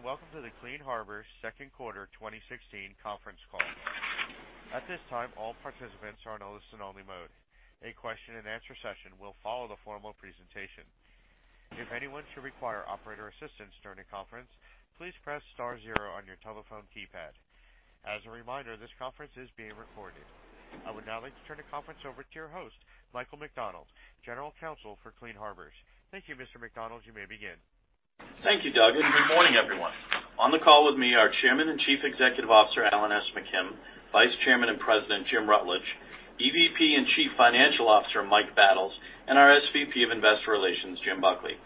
Greetings and welcome to the Clean Harbors Second Quarter 2016 Conference Call. At this time, all participants are in a listen-only mode. A question-and-answer session will follow the formal presentation. If anyone should require operator assistance during the conference, please press star zero on your telephone keypad. As a reminder, this conference is being recorded. I would now like to turn the conference over to your host, Michael McDonald, General Counsel for Clean Harbors. Thank you, Mr. McDonald. You may begin. Thank you, Doug, and good morning, everyone. On the call with me are Chairman and Chief Executive Officer, Alan S. McKim; Vice Chairman and President, Jim Rutledge; EVP and Chief Financial Officer, Mike Battles; and our SVP of Investor Relations, Jim Buckley.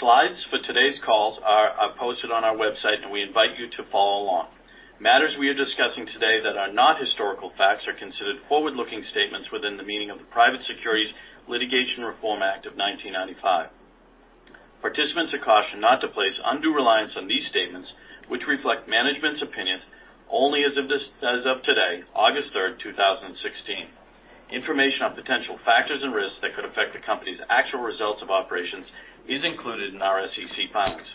Slides for today's calls are posted on our website, and we invite you to follow along. Matters we are discussing today that are not historical facts are considered forward-looking statements within the meaning of the Private Securities Litigation Reform Act of 1995. Participants are cautioned not to place undue reliance on these statements, which reflect management's opinions only as of today, August 3rd, 2016. Information on potential factors and risks that could affect the company's actual results of operations is included in our SEC filings.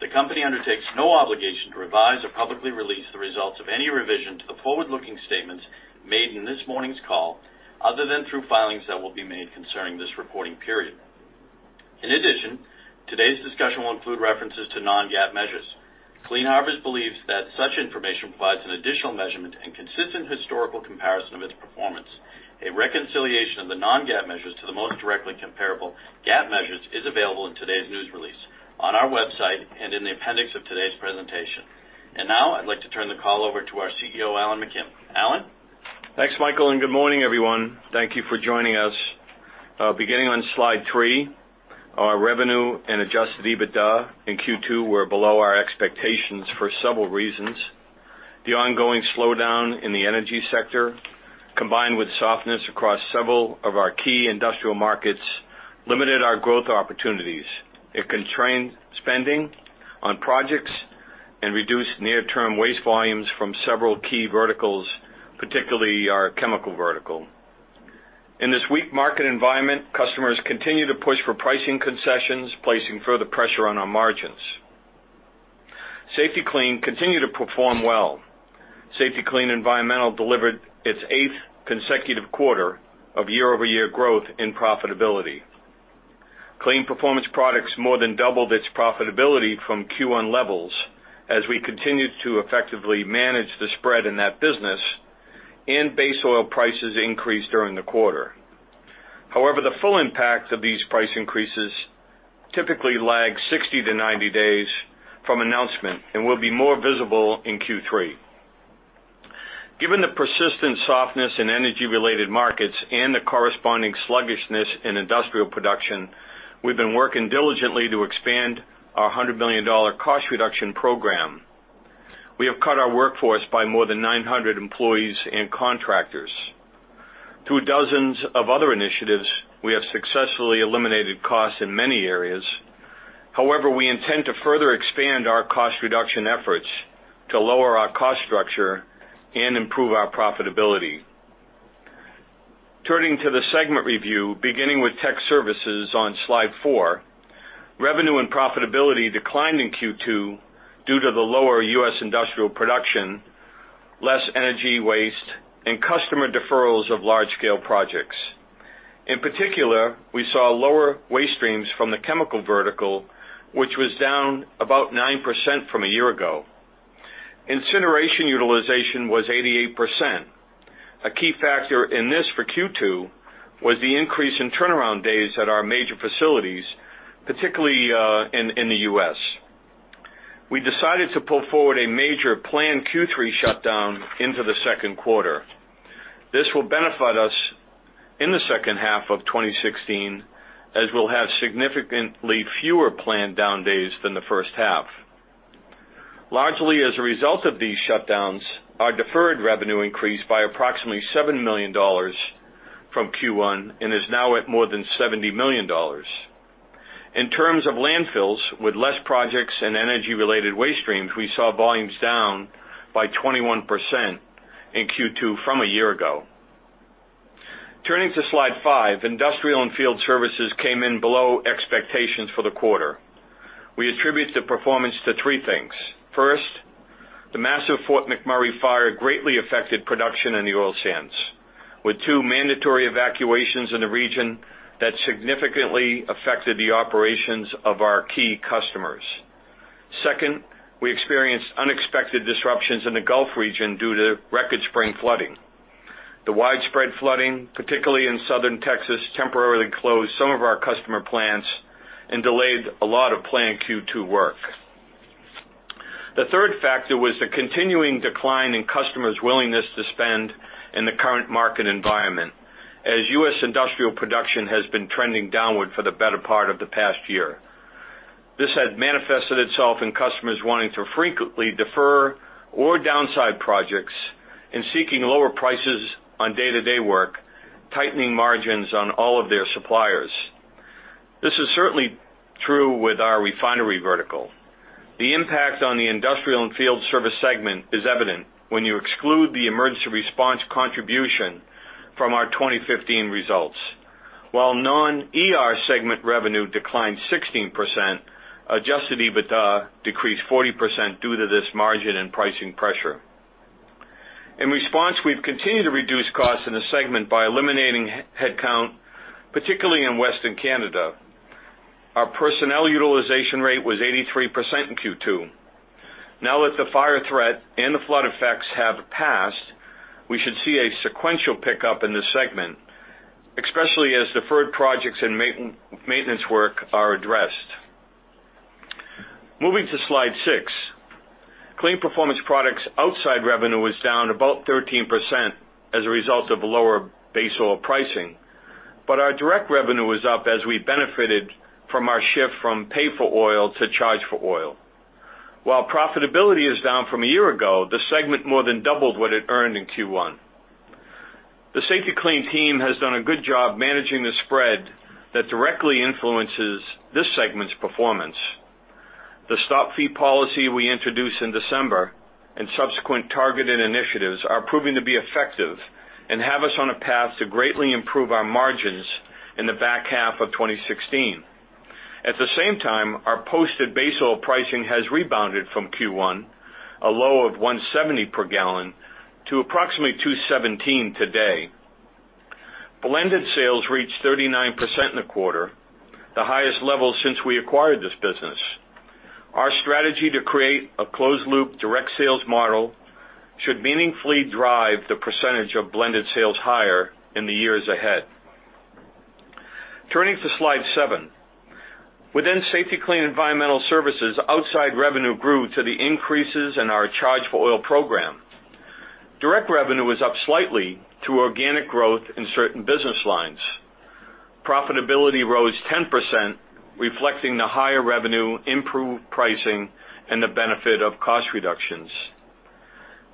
The company undertakes no obligation to revise or publicly release the results of any revision to the forward-looking statements made in this morning's call, other than through filings that will be made concerning this reporting period. In addition, today's discussion will include references to non-GAAP measures. Clean Harbors believes that such information provides an additional measurement and consistent historical comparison of its performance. A reconciliation of the non-GAAP measures to the most directly comparable GAAP measures is available in today's news release, on our website, and in the appendix of today's presentation. Now, I'd like to turn the call over to our CEO, Alan McKim. Alan? Thanks, Michael, and good morning, everyone. Thank you for joining us. Beginning on slide 3, our revenue and Adjusted EBITDA in Q2 were below our expectations for several reasons. The ongoing slowdown in the energy sector, combined with softness across several of our key industrial markets, limited our growth opportunities. It constrained spending on projects and reduced near-term waste volumes from several key verticals, particularly our chemical vertical. In this weak market environment, customers continue to push for pricing concessions, placing further pressure on our margins. Safety-Kleen continued to perform well. Safety-Kleen Environmental delivered its eighth consecutive quarter of year-over-year growth in profitability. Kleen Performance Products more than doubled its profitability from Q1 levels as we continued to effectively manage the spread in that business, and base oil prices increased during the quarter. However, the full impact of these price increases typically lags 60-90 days from announcement and will be more visible in Q3. Given the persistent softness in energy-related markets and the corresponding sluggishness in industrial production, we've been working diligently to expand our $100 million cost reduction program. We have cut our workforce by more than 900 employees and contractors. Through dozens of other initiatives, we have successfully eliminated costs in many areas. However, we intend to further expand our cost reduction efforts to lower our cost structure and improve our profitability. Turning to the segment review, beginning with Tech Services on slide four, revenue and profitability declined in Q2 due to the lower U.S. industrial production, less energy waste, and customer deferrals of large-scale projects. In particular, we saw lower waste streams from the chemical vertical, which was down about 9% from a year ago. Incineration utilization was 88%. A key factor in this for Q2 was the increase in turnaround days at our major facilities, particularly in the U.S. We decided to pull forward a major planned Q3 shutdown into the second quarter. This will benefit us in the second half of 2016, as we'll have significantly fewer planned down days than the first half. Largely, as a result of these shutdowns, our deferred revenue increased by approximately $7 million from Q1 and is now at more than $70 million. In terms of landfills, with less projects and energy-related waste streams, we saw volumes down by 21% in Q2 from a year ago. Turning to slide five, Industrial and Field Services came in below expectations for the quarter. We attribute the performance to three things. First, the massive Fort McMurray fire greatly affected production in the oil sands, with two mandatory evacuations in the region that significantly affected the operations of our key customers. Second, we experienced unexpected disruptions in the Gulf region due to record spring flooding. The widespread flooding, particularly in Southern Texas, temporarily closed some of our customer plants and delayed a lot of planned Q2 work. The third factor was the continuing decline in customers' willingness to spend in the current market environment, as U.S. industrial production has been trending downward for the better part of the past year. This had manifested itself in customers wanting to frequently defer or downsize projects and seeking lower prices on day-to-day work, tightening margins on all of their suppliers. This is certainly true with our refinery vertical. The impact on the industrial and field service segment is evident when you exclude the emergency response contribution from our 2015 results. While non-ER segment revenue declined 16%, adjusted EBITDA decreased 40% due to this margin and pricing pressure. In response, we've continued to reduce costs in the segment by eliminating headcount, particularly in Western Canada. Our personnel utilization rate was 83% in Q2. Now that the fire threat and the flood effects have passed, we should see a sequential pickup in the segment, especially as deferred projects and maintenance work are addressed. Moving to slide six, Kleen Performance Products' outside revenue was down about 13% as a result of lower base oil pricing, but our direct revenue was up as we benefited from our shift from Pay-for-Oil to Charge-for-Oil. While profitability is down from a year ago, the segment more than doubled what it earned in Q1. The Safety-Kleen team has done a good job managing the spread that directly influences this segment's performance. The Stop Fee policy we introduced in December and subsequent targeted initiatives are proving to be effective and have us on a path to greatly improve our margins in the back half of 2016. At the same time, our posted base oil pricing has rebounded from Q1, a low of $1.70 per gallon, to approximately $2.17 today. Blended sales reached 39% in the quarter, the highest level since we acquired this business. Our strategy to create a closed-loop direct sales model should meaningfully drive the % of blended sales higher in the years ahead. Turning to slide seven, within Safety-Kleen Environmental services, outside revenue grew to the increases in our Charge-for-Oil program. Direct revenue was up slightly to organic growth in certain business lines. Profitability rose 10%, reflecting the higher revenue, improved pricing, and the benefit of cost reductions.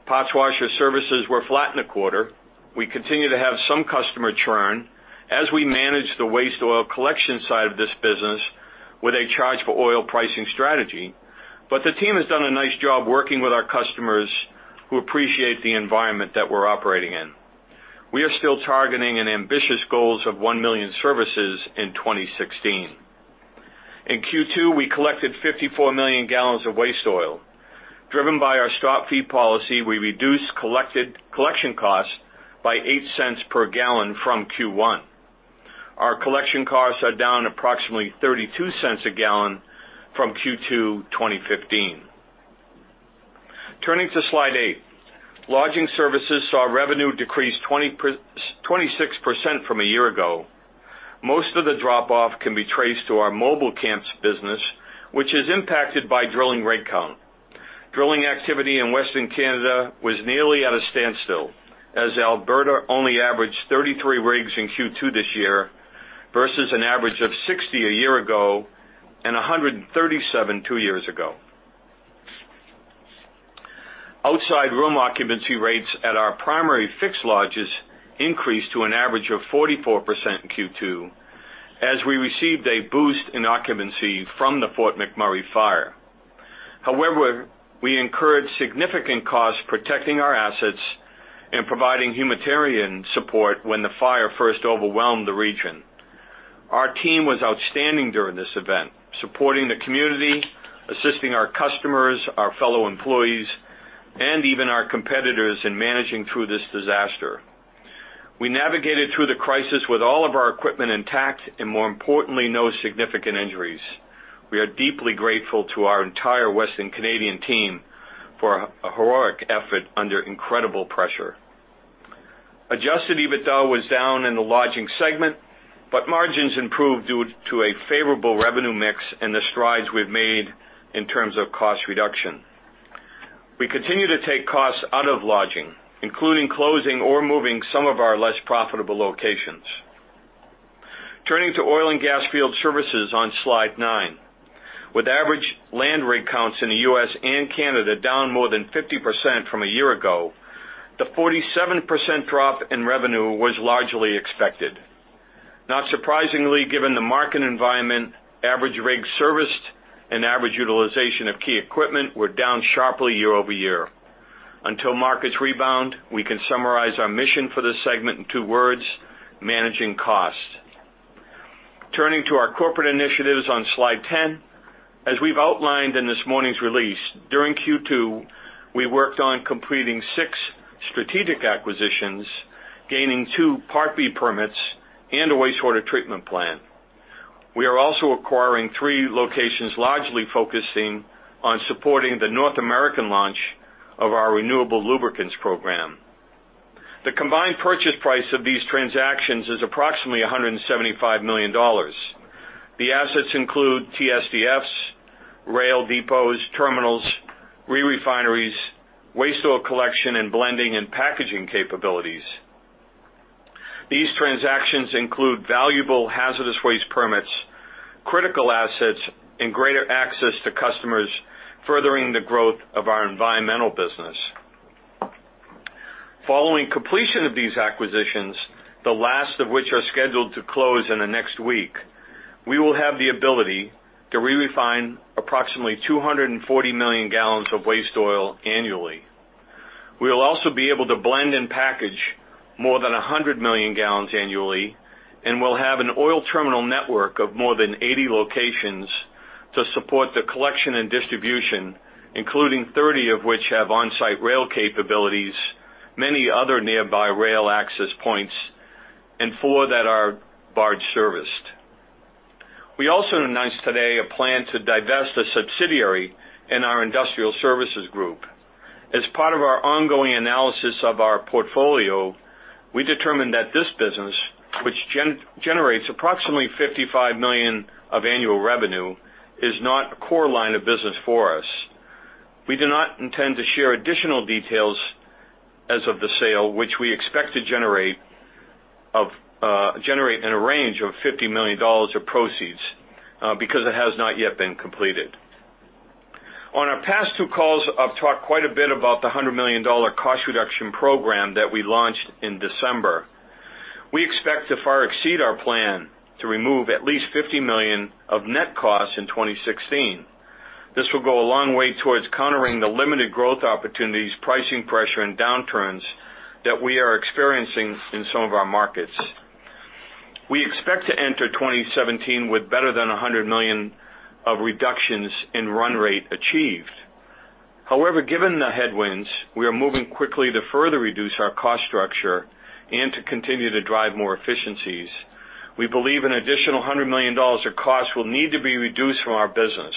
Parts washer services were flat in the quarter. We continue to have some customer churn as we manage the waste oil collection side of this business with a Charge-for-Oil pricing strategy, but the team has done a nice job working with our customers who appreciate the environment that we're operating in. We are still targeting an ambitious goal of one million services in 2016. In Q2, we collected 54 million gallons of waste oil. Driven by our Stop Fee policy, we reduced collection costs by $0.08 per gallon from Q1. Our collection costs are down approximately $0.32 a gallon from Q2 2015. Turning to slide eight, Lodging Services saw revenue decrease 26% from a year ago. Most of the drop-off can be traced to our mobile camps business, which is impacted by drilling rig count. Drilling activity in Western Canada was nearly at a standstill, as Alberta only averaged 33 rigs in Q2 this year vs an average of 60 a year ago and 137 two years ago. Outside room occupancy rates at our primary fixed lodges increased to an average of 44% in Q2, as we received a boost in occupancy from the Fort McMurray fire. However, we incurred significant costs protecting our assets and providing humanitarian support when the fire first overwhelmed the region. Our team was outstanding during this event, supporting the community, assisting our customers, our fellow employees, and even our competitors in managing through this disaster. We navigated through the crisis with all of our equipment intact and, more importantly, no significant injuries. We are deeply grateful to our entire Western Canadian team for a heroic effort under incredible pressure. Adjusted EBITDA was down in the Lodging segment, but margins improved due to a favorable revenue mix and the strides we've made in terms of cost reduction. We continue to take costs out of Lodging, including closing or moving some of our less profitable locations. Turning to Oil and Gas Field Services on slide nine, with average land rig counts in the U.S. and Canada down more than 50% from a year ago, the 47% drop in revenue was largely expected. Not surprisingly, given the market environment, average rig serviced and average utilization of key equipment were down sharply year-over-year. Until markets rebound, we can summarize our mission for this segment in two words: managing costs. Turning to our corporate initiatives on slide 10, as we've outlined in this morning's release, during Q2, we worked on completing six strategic acquisitions, gaining two Part B permits and a wastewater treatment plant. We are also acquiring three locations largely focusing on supporting the North American launch of our renewable lubricants program. The combined purchase price of these transactions is approximately $175 million. The assets include TSDFs, rail depots, terminals, re-refineries, waste oil collection and blending, and packaging capabilities. These transactions include valuable hazardous waste permits, critical assets, and greater access to customers, furthering the growth of our environmental business. Following completion of these acquisitions, the last of which are scheduled to close in the next week, we will have the ability to re-refine approximately 240 million gallons of waste oil annually. We will also be able to blend and package more than 100 million gallons annually and will have an oil terminal network of more than 80 locations to support the collection and distribution, including 30 of which have on-site rail capabilities, many other nearby rail access points, and four that are barge serviced. We also announced today a plan to divest a subsidiary in our industrial services group. As part of our ongoing analysis of our portfolio, we determined that this business, which generates approximately $55 million of annual revenue, is not a core line of business for us. We do not intend to share additional details as of the sale, which we expect to generate in a range of $50 million of proceeds because it has not yet been completed. On our past two calls, I've talked quite a bit about the $100 million cost reduction program that we launched in December. We expect to far exceed our plan to remove at least $50 million of net costs in 2016. This will go a long way towards countering the limited growth opportunities, pricing pressure, and downturns that we are experiencing in some of our markets. We expect to enter 2017 with better than $100 million of reductions in run rate achieved. However, given the headwinds, we are moving quickly to further reduce our cost structure and to continue to drive more efficiencies. We believe an additional $100 million of costs will need to be reduced from our business.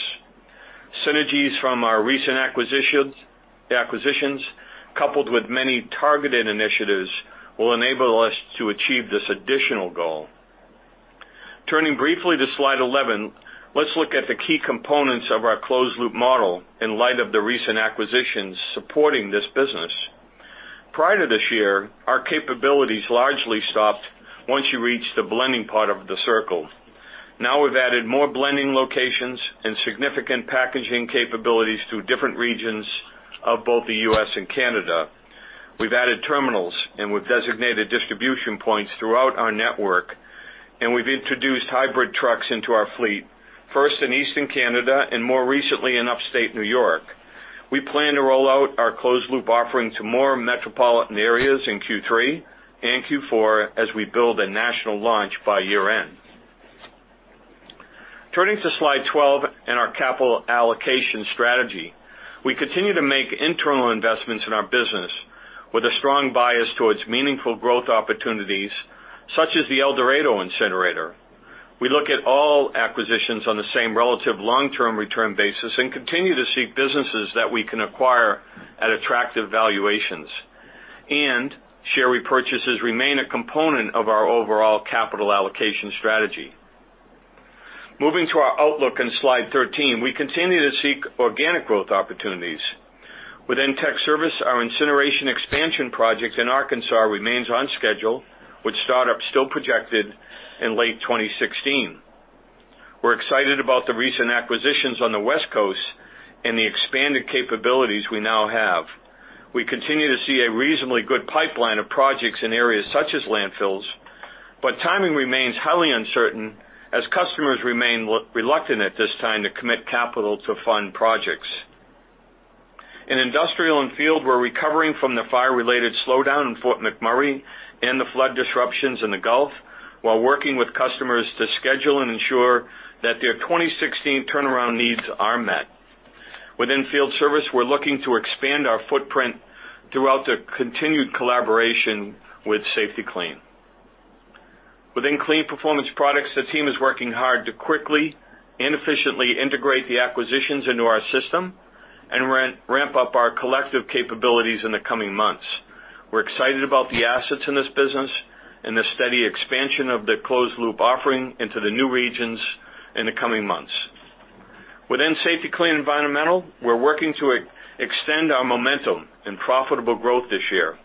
Synergies from our recent acquisitions, coupled with many targeted initiatives, will enable us to achieve this additional goal. Turning briefly to slide 11, let's look at the key components of our closed-loop model in light of the recent acquisitions supporting this business. Prior to this year, our capabilities largely stopped once you reached the blending part of the circle. Now we've added more blending locations and significant packaging capabilities to different regions of both the U.S. and Canada. We've added terminals and we've designated distribution points throughout our network, and we've introduced hybrid trucks into our fleet, first in eastern Canada and more recently in Upstate New York. We plan to roll out our closed-loop offering to more metropolitan areas in Q3 and Q4 as we build a national launch by year-end. Turning to slide 12 and our capital allocation strategy, we continue to make internal investments in our business with a strong bias towards meaningful growth opportunities such as the El Dorado incinerator. We look at all acquisitions on the same relative long-term return basis and continue to seek businesses that we can acquire at attractive valuations, and share repurchases remain a component of our overall capital allocation strategy. Moving to our outlook in slide 13, we continue to seek organic growth opportunities. Within tech service, our incineration expansion project in Arkansas remains on schedule, which start-up is still projected in late 2016. We're excited about the recent acquisitions on the West Coast and the expanded capabilities we now have. We continue to see a reasonably good pipeline of projects in areas such as landfills, but timing remains highly uncertain as customers remain reluctant at this time to commit capital to fund projects. In industrial and field, we're recovering from the fire-related slowdown in Fort McMurray and the flood disruptions in the Gulf while working with customers to schedule and ensure that their 2016 turnaround needs are met. Within field service, we're looking to expand our footprint throughout the continued collaboration with Safety-Kleen. Within Kleen Performance Products, the team is working hard to quickly and efficiently integrate the acquisitions into our system and ramp up our collective capabilities in the coming months. We're excited about the assets in this business and the steady expansion of the closed-loop offering into the new regions in the coming months. Within Safety-Kleen Environmental, we're working to extend our momentum and profitable growth this year.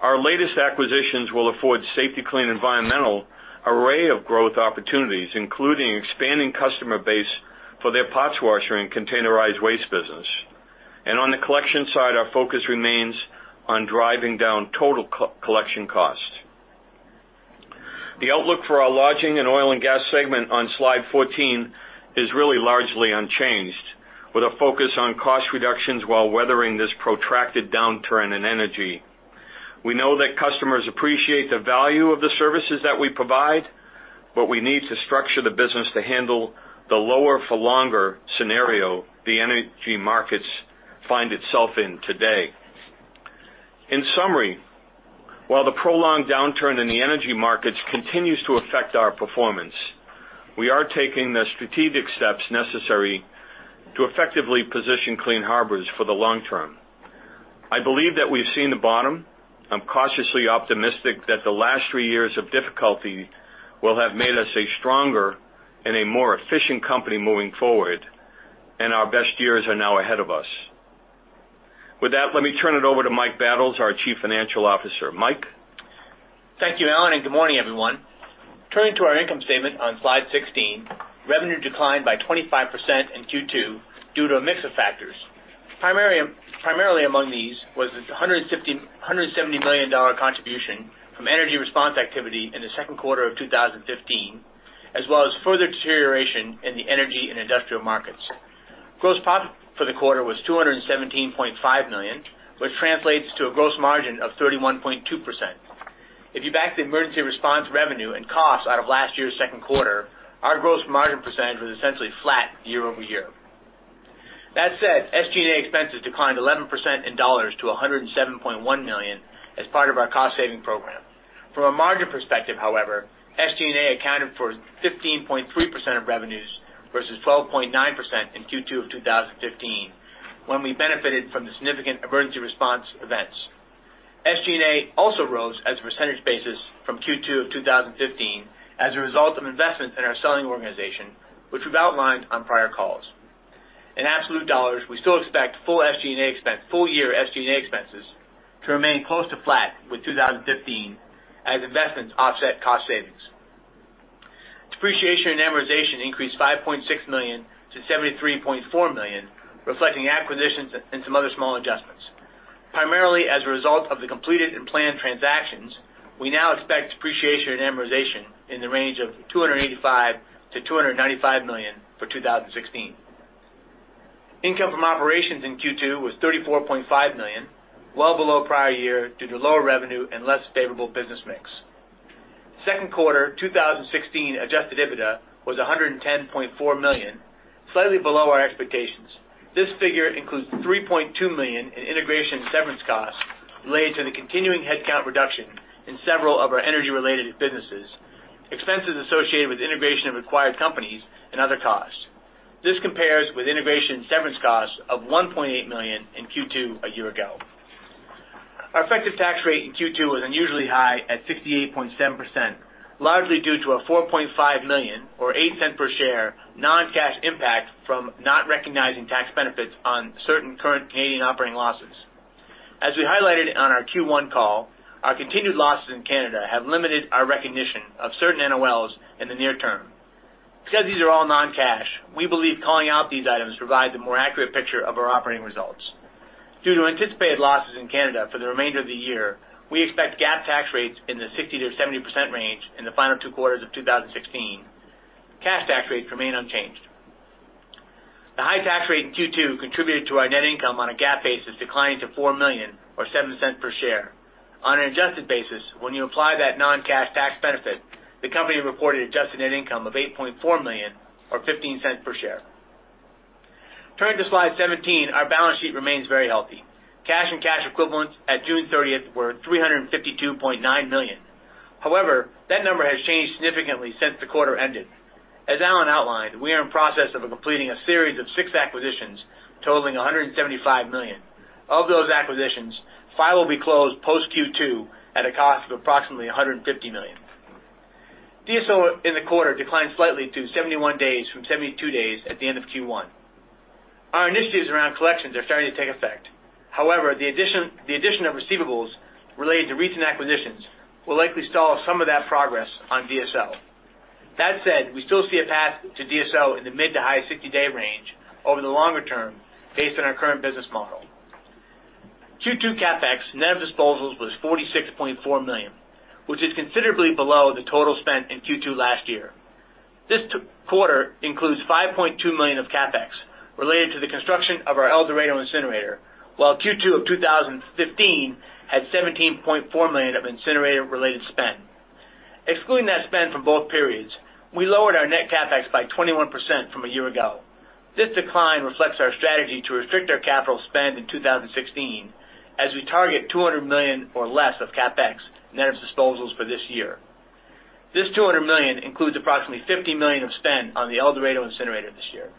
Our latest acquisitions will afford Safety-Kleen Environmental an array of growth opportunities, including expanding customer base for their parts washer and containerized waste business. On the collection side, our focus remains on driving down total collection costs. The outlook for our Lodging and Oil and Gas segment on slide 14 is really largely unchanged, with a focus on cost reductions while weathering this protracted downturn in energy. We know that customers appreciate the value of the services that we provide, but we need to structure the business to handle the lower-for-longer scenario the energy markets find itself in today. In summary, while the prolonged downturn in the energy markets continues to affect our performance, we are taking the strategic steps necessary to effectively position Clean Harbors for the long term. I believe that we've seen the bottom. I'm cautiously optimistic that the last three years of difficulty will have made us a stronger and a more efficient company moving forward, and our best years are now ahead of us. With that, let me turn it over to Mike Battles, our Chief Financial Officer. Mike. Thank you, Alan, and good morning, everyone. Turning to our income statement on slide 16, revenue declined by 25% in Q2 due to a mix of factors. Primarily among these was the $170 million contribution from emergency response activity in the second quarter of 2015, as well as further deterioration in the energy and industrial markets. Gross profit for the quarter was $217.5 million, which translates to a gross margin of 31.2%. If you back the emergency response revenue and costs out of last year's second quarter, our gross margin % was essentially flat year-over-year. That said, SG&A expenses declined 11% in dollars to $107.1 million as part of our cost-saving program. From a margin perspective, however, SG&A accounted for 15.3% of revenues vs 12.9% in Q2 of 2015 when we benefited from the significant emergency response events. SG&A also rose on a % basis from Q2 of 2015 as a result of investments in our selling organization, which we've outlined on prior calls. In absolute dollars, we still expect full-year SG&A expenses to remain close to flat with 2015 as investments offset cost savings. Depreciation and amortization increased $5.6 million to $73.4 million, reflecting acquisitions and some other small adjustments. Primarily as a result of the completed and planned transactions, we now expect depreciation and amortization in the range of $285 million-$295 million for 2016. Income from operations in Q2 was $34.5 million, well below prior year due to lower revenue and less favorable business mix. Second quarter 2016 Adjusted EBITDA was $110.4 million, slightly below our expectations. This figure includes $3.2 million in integration severance costs related to the continuing headcount reduction in several of our energy-related businesses, expenses associated with integration of acquired companies, and other costs. This compares with integration severance costs of $1.8 million in Q2 a year ago. Our effective tax rate in Q2 was unusually high at 68.7%, largely due to a $4.5 million or $0.08 per share non-cash impact from not recognizing tax benefits on certain current Canadian operating losses. As we highlighted on our Q1 call, our continued losses in Canada have limited our recognition of certain NOLs in the near term. Because these are all non-cash, we believe calling out these items provides a more accurate picture of our operating results. Due to anticipated losses in Canada for the remainder of the year, we expect GAAP tax rates in the 60%-70% range in the final two quarters of 2016. Cash tax rates remain unchanged. The high tax rate in Q2 contributed to our net income on a GAAP basis declining to $4 million or $0.07 per share. On an adjusted basis, when you apply that non-cash tax benefit, the company reported adjusted net income of $8.4 million or $0.15 per share. Turning to slide 17, our balance sheet remains very healthy. Cash and cash equivalents at June 30th were $352.9 million. However, that number has changed significantly since the quarter ended. As Alan outlined, we are in process of completing a series of six acquisitions totaling $175 million. Of those acquisitions, five will be closed post Q2 at a cost of approximately $150 million. DSO in the quarter declined slightly to 71 days from 72 days at the end of Q1. Our initiatives around collections are starting to take effect. However, the addition of receivables related to recent acquisitions will likely stall some of that progress on DSO. That said, we still see a path to DSO in the mid- to high-60-day range over the longer term based on our current business model. Q2 CapEx net of disposals was $46.4 million, which is considerably below the total spent in Q2 last year. This quarter includes $5.2 million of CapEx related to the construction of our El Dorado incinerator, while Q2 of 2015 had $17.4 million of incinerator-related spend. Excluding that spend from both periods, we lowered our net CapEx by 21% from a year ago. This decline reflects our strategy to restrict our capital spend in 2016 as we target $200 million or less of CapEx net of disposals for this year. This $200 million includes approximately $50 million of spend on the El Dorado incinerator this year.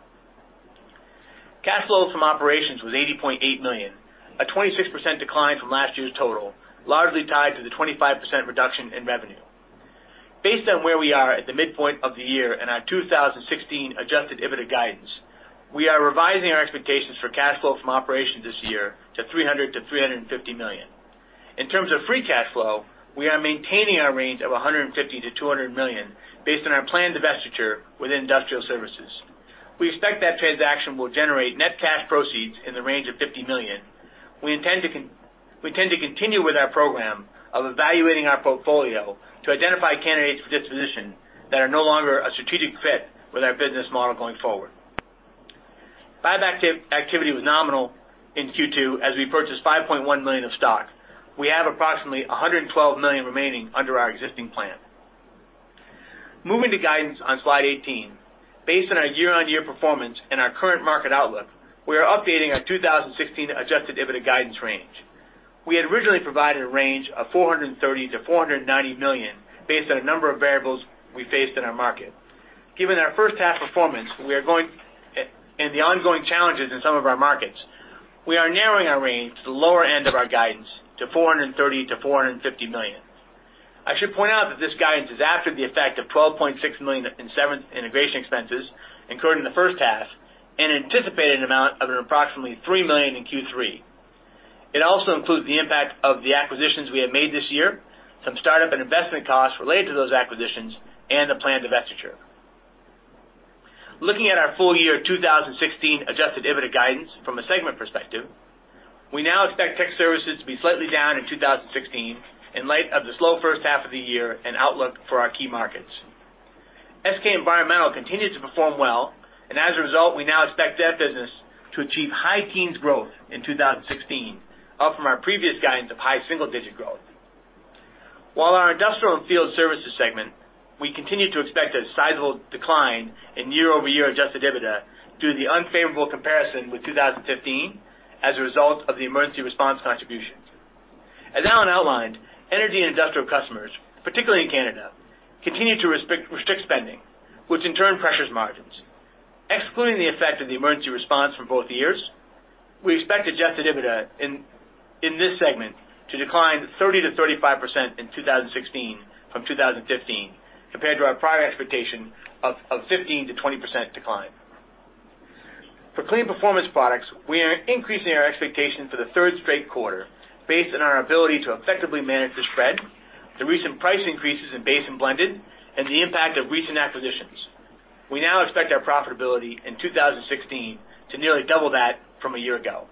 Cash flow from operations was $80.8 million, a 26% decline from last year's total, largely tied to the 25% reduction in revenue. Based on where we are at the midpoint of the year and our 2016 adjusted EBITDA guidance, we are revising our expectations for cash flow from operations this year to $300 million-$350 million. In terms of free cash flow, we are maintaining our range of $150 million-$200 million based on our planned divestiture within industrial services. We expect that transaction will generate net cash proceeds in the range of $50 million. We intend to continue with our program of evaluating our portfolio to identify candidates for disposition that are no longer a strategic fit with our business model going forward. Buyback activity was nominal in Q2 as we purchased 5.1 million of stock. We have approximately 112 million remaining under our existing plan. Moving to guidance on slide 18, based on our year-on-year performance and our current market outlook, we are updating our 2016 Adjusted EBITDA guidance range. We had originally provided a range of $430-$490 million based on a number of variables we faced in our market. Given our first half performance and the ongoing challenges in some of our markets, we are narrowing our range to the lower end of our guidance to $430-$450 million. I should point out that this guidance is after the effect of $12.6 million in integration expenses incurred in the first half and anticipated amount of approximately $3 million in Q3. It also includes the impact of the acquisitions we have made this year, some startup and investment costs related to those acquisitions, and the planned divestiture. Looking at our full year 2016 Adjusted EBITDA guidance from a segment perspective, we now expect Tech Services to be slightly down in 2016 in light of the slow first half of the year and outlook for our key markets. SK Environmental continues to perform well, and as a result, we now expect that business to achieve high teens growth in 2016, up from our previous guidance of high single-digit growth. While our Industrial and Field Services segment, we continue to expect a sizable decline in year-over-year Adjusted EBITDA due to the unfavorable comparison with 2015 as a result of the emergency response contribution. As Alan outlined, energy and industrial customers, particularly in Canada, continue to restrict spending, which in turn pressures margins. Excluding the effect of the emergency response from both years, we expect Adjusted EBITDA in this segment to decline 30%-35% in 2016 from 2015, compared to our prior expectation of 15%-20% decline. For Kleen Performance Products, we are increasing our expectations for the third straight quarter based on our ability to effectively manage the spread, the recent price increases in base and blended, and the impact of recent acquisitions. We now expect our profitability in 2016 to nearly double that from a year ago.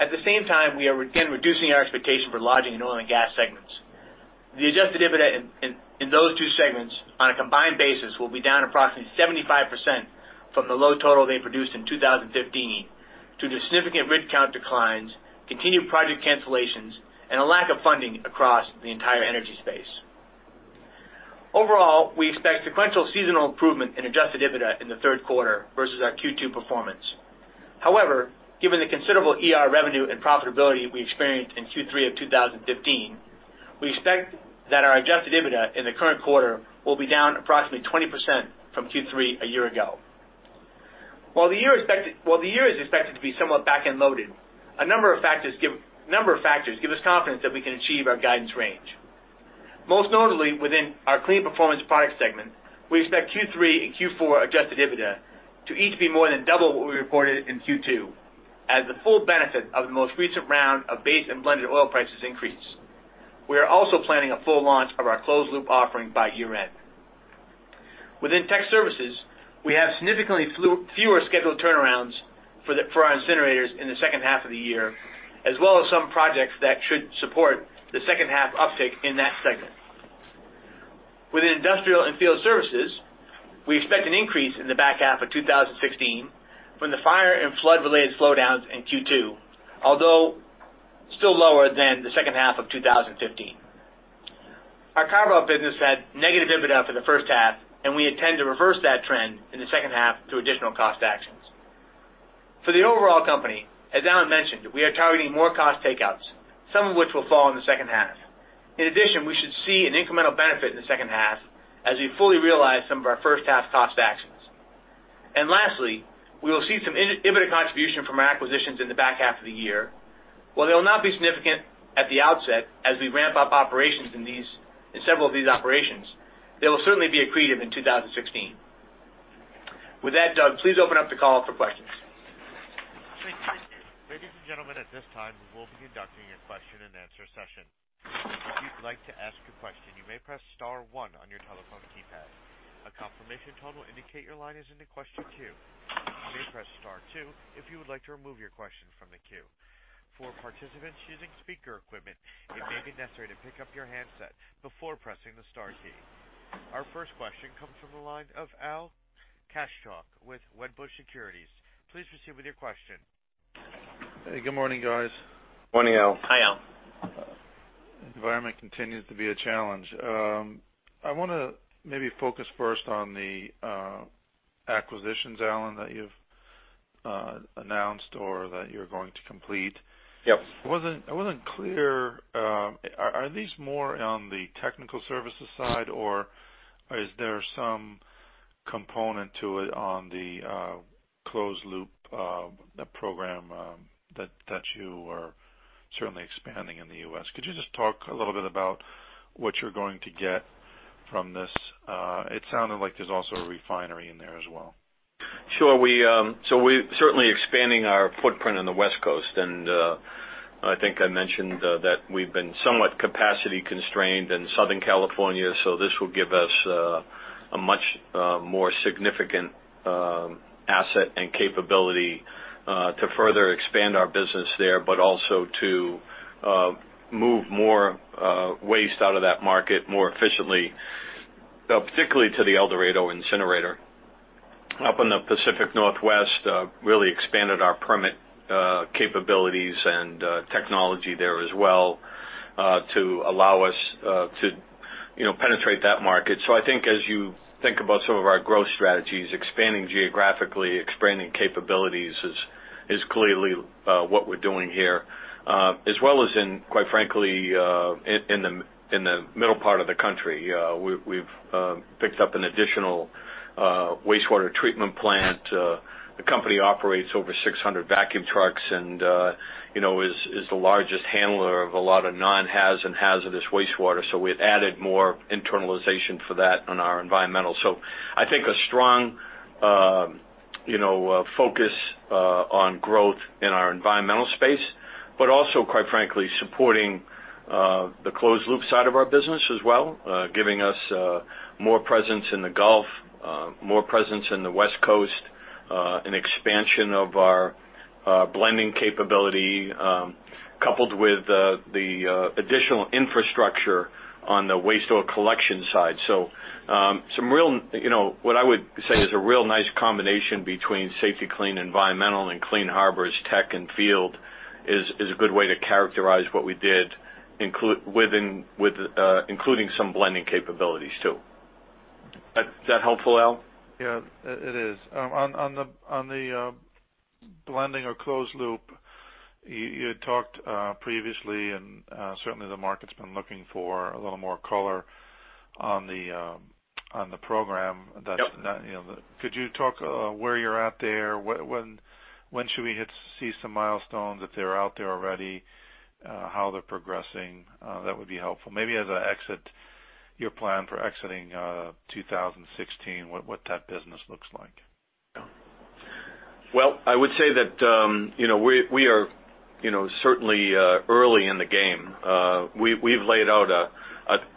At the same time, we are again reducing our expectation for Lodging and Oil and Gas segments. The Adjusted EBITDA in those two segments on a combined basis will be down approximately 75% from the low total they produced in 2015 due to significant rid count declines, continued project cancellations, and a lack of funding across the entire energy space. Overall, we expect sequential seasonal improvement in Adjusted EBITDA in the third quarter vs our Q2 performance. However, given the considerable revenue and profitability we experienced in Q3 of 2015, we expect that our Adjusted EBITDA in the current quarter will be down approximately 20% from Q3 a year ago. While the year is expected to be somewhat back-loaded, a number of factors give us confidence that we can achieve our guidance range. Most notably, within our Kleen Performance Products segment, we expect Q3 and Q4 Adjusted EBITDA to each be more than double what we reported in Q2, as the full benefit of the most recent round of base oil and blended oil price increases. We are also planning a full launch of our closed-loop offering by year-end. Within Tech Services, we have significantly fewer scheduled turnarounds for our incinerators in the second half of the year, as well as some projects that should support the second half uptick in that segment. Within Industrial and Field Services, we expect an increase in the back half of 2016 from the fire and flood-related slowdowns in Q2, although still lower than the second half of 2015. Our carve-out business had negative EBITDA for the first half, and we intend to reverse that trend in the second half through additional cost actions. For the overall company, as Alan mentioned, we are targeting more cost takeouts, some of which will fall in the second half. In addition, we should see an incremental benefit in the second half as we fully realize some of our first half cost actions. And lastly, we will see some EBITDA contribution from our acquisitions in the back half of the year. While they will not be significant at the outset as we ramp up operations in several of these operations, they will certainly be accretive in 2016. With that, Doug, please open up the call for questions. Ladies and gentlemen, at this time, we will be conducting a question-and-answer session. If you'd like to ask a question, you may press star one on your telephone keypad. A confirmation tone will indicate your line is in the question queue. You may press star two if you would like to remove your question from the queue. For participants using speaker equipment, it may be necessary to pick up your handset before pressing the star key. Our first question comes from the line of Al Kaschalk with Wedbush Securities. Please proceed with your question. Hey, good morning, guys. Morning, Al. Hi, Al. Environment continues to be a challenge. I want to maybe focus first on the acquisitions, Alan, that you've announced or that you're going to complete. I wasn't clear. Are these more on the technical services side, or is there some component to it on the closed-loop program that you are certainly expanding in the U.S.? Could you just talk a little bit about what you're going to get from this? It sounded like there's also a refinery in there as well. Sure. So we're certainly expanding our footprint on the West Coast, and I think I mentioned that we've been somewhat capacity constrained in Southern California, so this will give us a much more significant asset and capability to further expand our business there, but also to move more waste out of that market more efficiently, particularly to the El Dorado incinerator up in the Pacific Northwest, really expanded our permit capabilities and technology there as well to allow us to penetrate that market. So I think as you think about some of our growth strategies, expanding geographically, expanding capabilities is clearly what we're doing here, as well as in, quite frankly, in the middle part of the country. We've picked up an additional wastewater treatment plant. The company operates over 600 vacuum trucks and is the largest handler of a lot of non-haz and hazardous wastewater, so we've added more internalization for that on our environmental. So I think a strong focus on growth in our environmental space, but also, quite frankly, supporting the closed-loop side of our business as well, giving us more presence in the Gulf, more presence in the West Coast, an expansion of our blending capability coupled with the additional infrastructure on the waste oil collection side. So what I would say is a real nice combination between Safety-Kleen Environmental and Clean Harbors Tech and Field is a good way to characterize what we did, including some blending capabilities too. Is that helpful, Al? Yeah, it is. On the blending or Closed-loop, you had talked previously, and certainly the market's been looking for a little more color on the program. Could you talk where you're at there? When should we see some milestones if they're out there already? How they're progressing? That would be helpful. Maybe as an exit, your plan for exiting 2016, what that business looks like. Well, I would say that we are certainly early in the game. We've laid out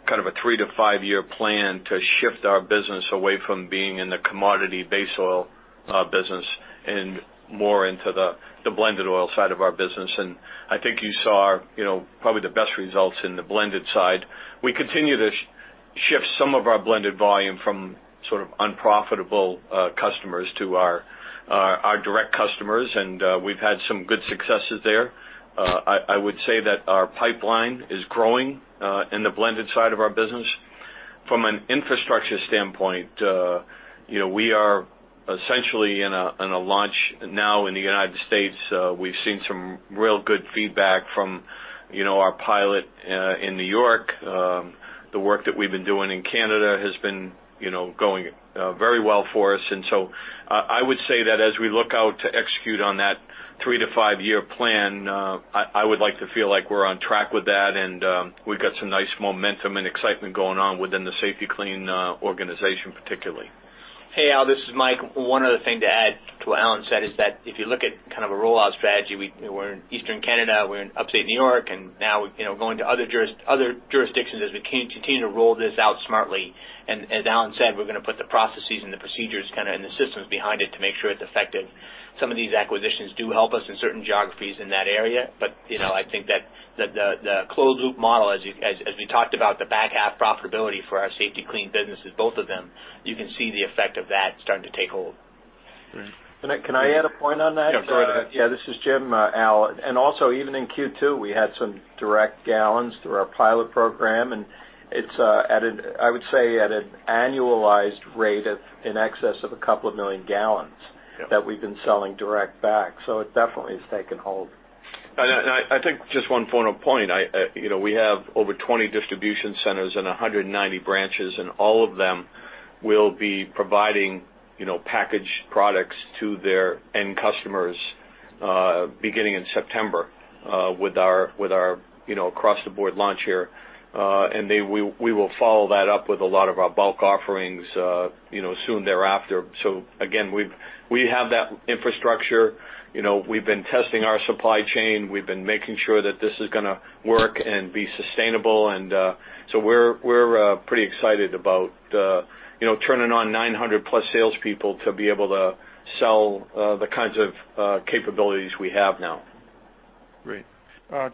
kind of a three to five year plan to shift our business away from being in the commodity base oil business and more into the blended oil side of our business. I think you saw probably the best results in the blended side. We continue to shift some of our blended volume from sort of unprofitable customers to our direct customers, and we've had some good successes there. I would say that our pipeline is growing in the blended oil side of our business. From an infrastructure standpoint, we are essentially in a launch now in the United States. We've seen some real good feedback from our pilot in New York. The work that we've been doing in Canada has been going very well for us. And so I would say that as we look out to execute on that three to five year plan, I would like to feel like we're on track with that, and we've got some nice momentum and excitement going on within the Safety-Kleen organization, particularly. Hey, Al, this is Mike. One other thing to add to what Alan said is that if you look at kind of a rollout strategy, we're in Eastern Canada, we're in Upstate New York, and now we're going to other jurisdictions as we continue to roll this out smartly. And as Alan said, we're going to put the processes and the procedures kind of in the systems behind it to make sure it's effective. Some of these acquisitions do help us in certain geographies in that area, but I think that the closed-loop model, as we talked about, the back half profitability for our Safety-Kleen businesses, both of them, you can see the effect of that starting to take hold. Can I add a point on that? Yeah, go ahead. Yeah, this is Jim. Al, and also even in Q2, we had some direct gallons through our pilot program, and it's, I would say, at an annualized rate in excess of a couple of million gallons that we've been selling direct back. So it definitely has taken hold. I think just one final point. We have over 20 distribution centers and 190 branches, and all of them will be providing packaged products to their end customers beginning in September with our across-the-board launch here. We will follow that up with a lot of our bulk offerings soon thereafter. Again, we have that infrastructure. We've been testing our supply chain. We've been making sure that this is going to work and be sustainable. So we're pretty excited about turning on 900+ salespeople to be able to sell the kinds of capabilities we have now. Great.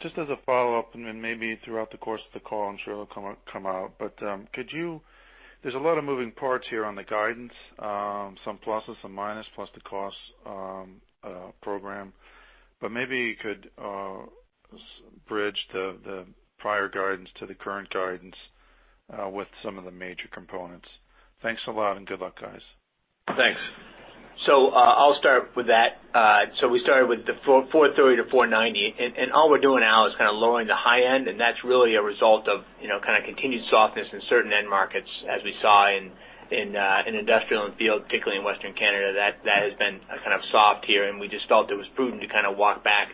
Just as a follow-up, and then maybe throughout the course of the call, I'm sure it'll come out, but could you, there's a lot of moving parts here on the guidance, some pluses, some minus, plus the cost program, but maybe you could bridge the prior guidance to the current guidance with some of the major components. Thanks a lot and good luck, guys. Thanks. So I'll start with that. So we started with the $430 million-$490 million, and all we're doing now is kind of lowering the high end, and that's really a result of kind of continued softness in certain end markets, as we saw in industrial and field, particularly in Western Canada. That has been kind of soft here, and we just felt it was prudent to kind of walk back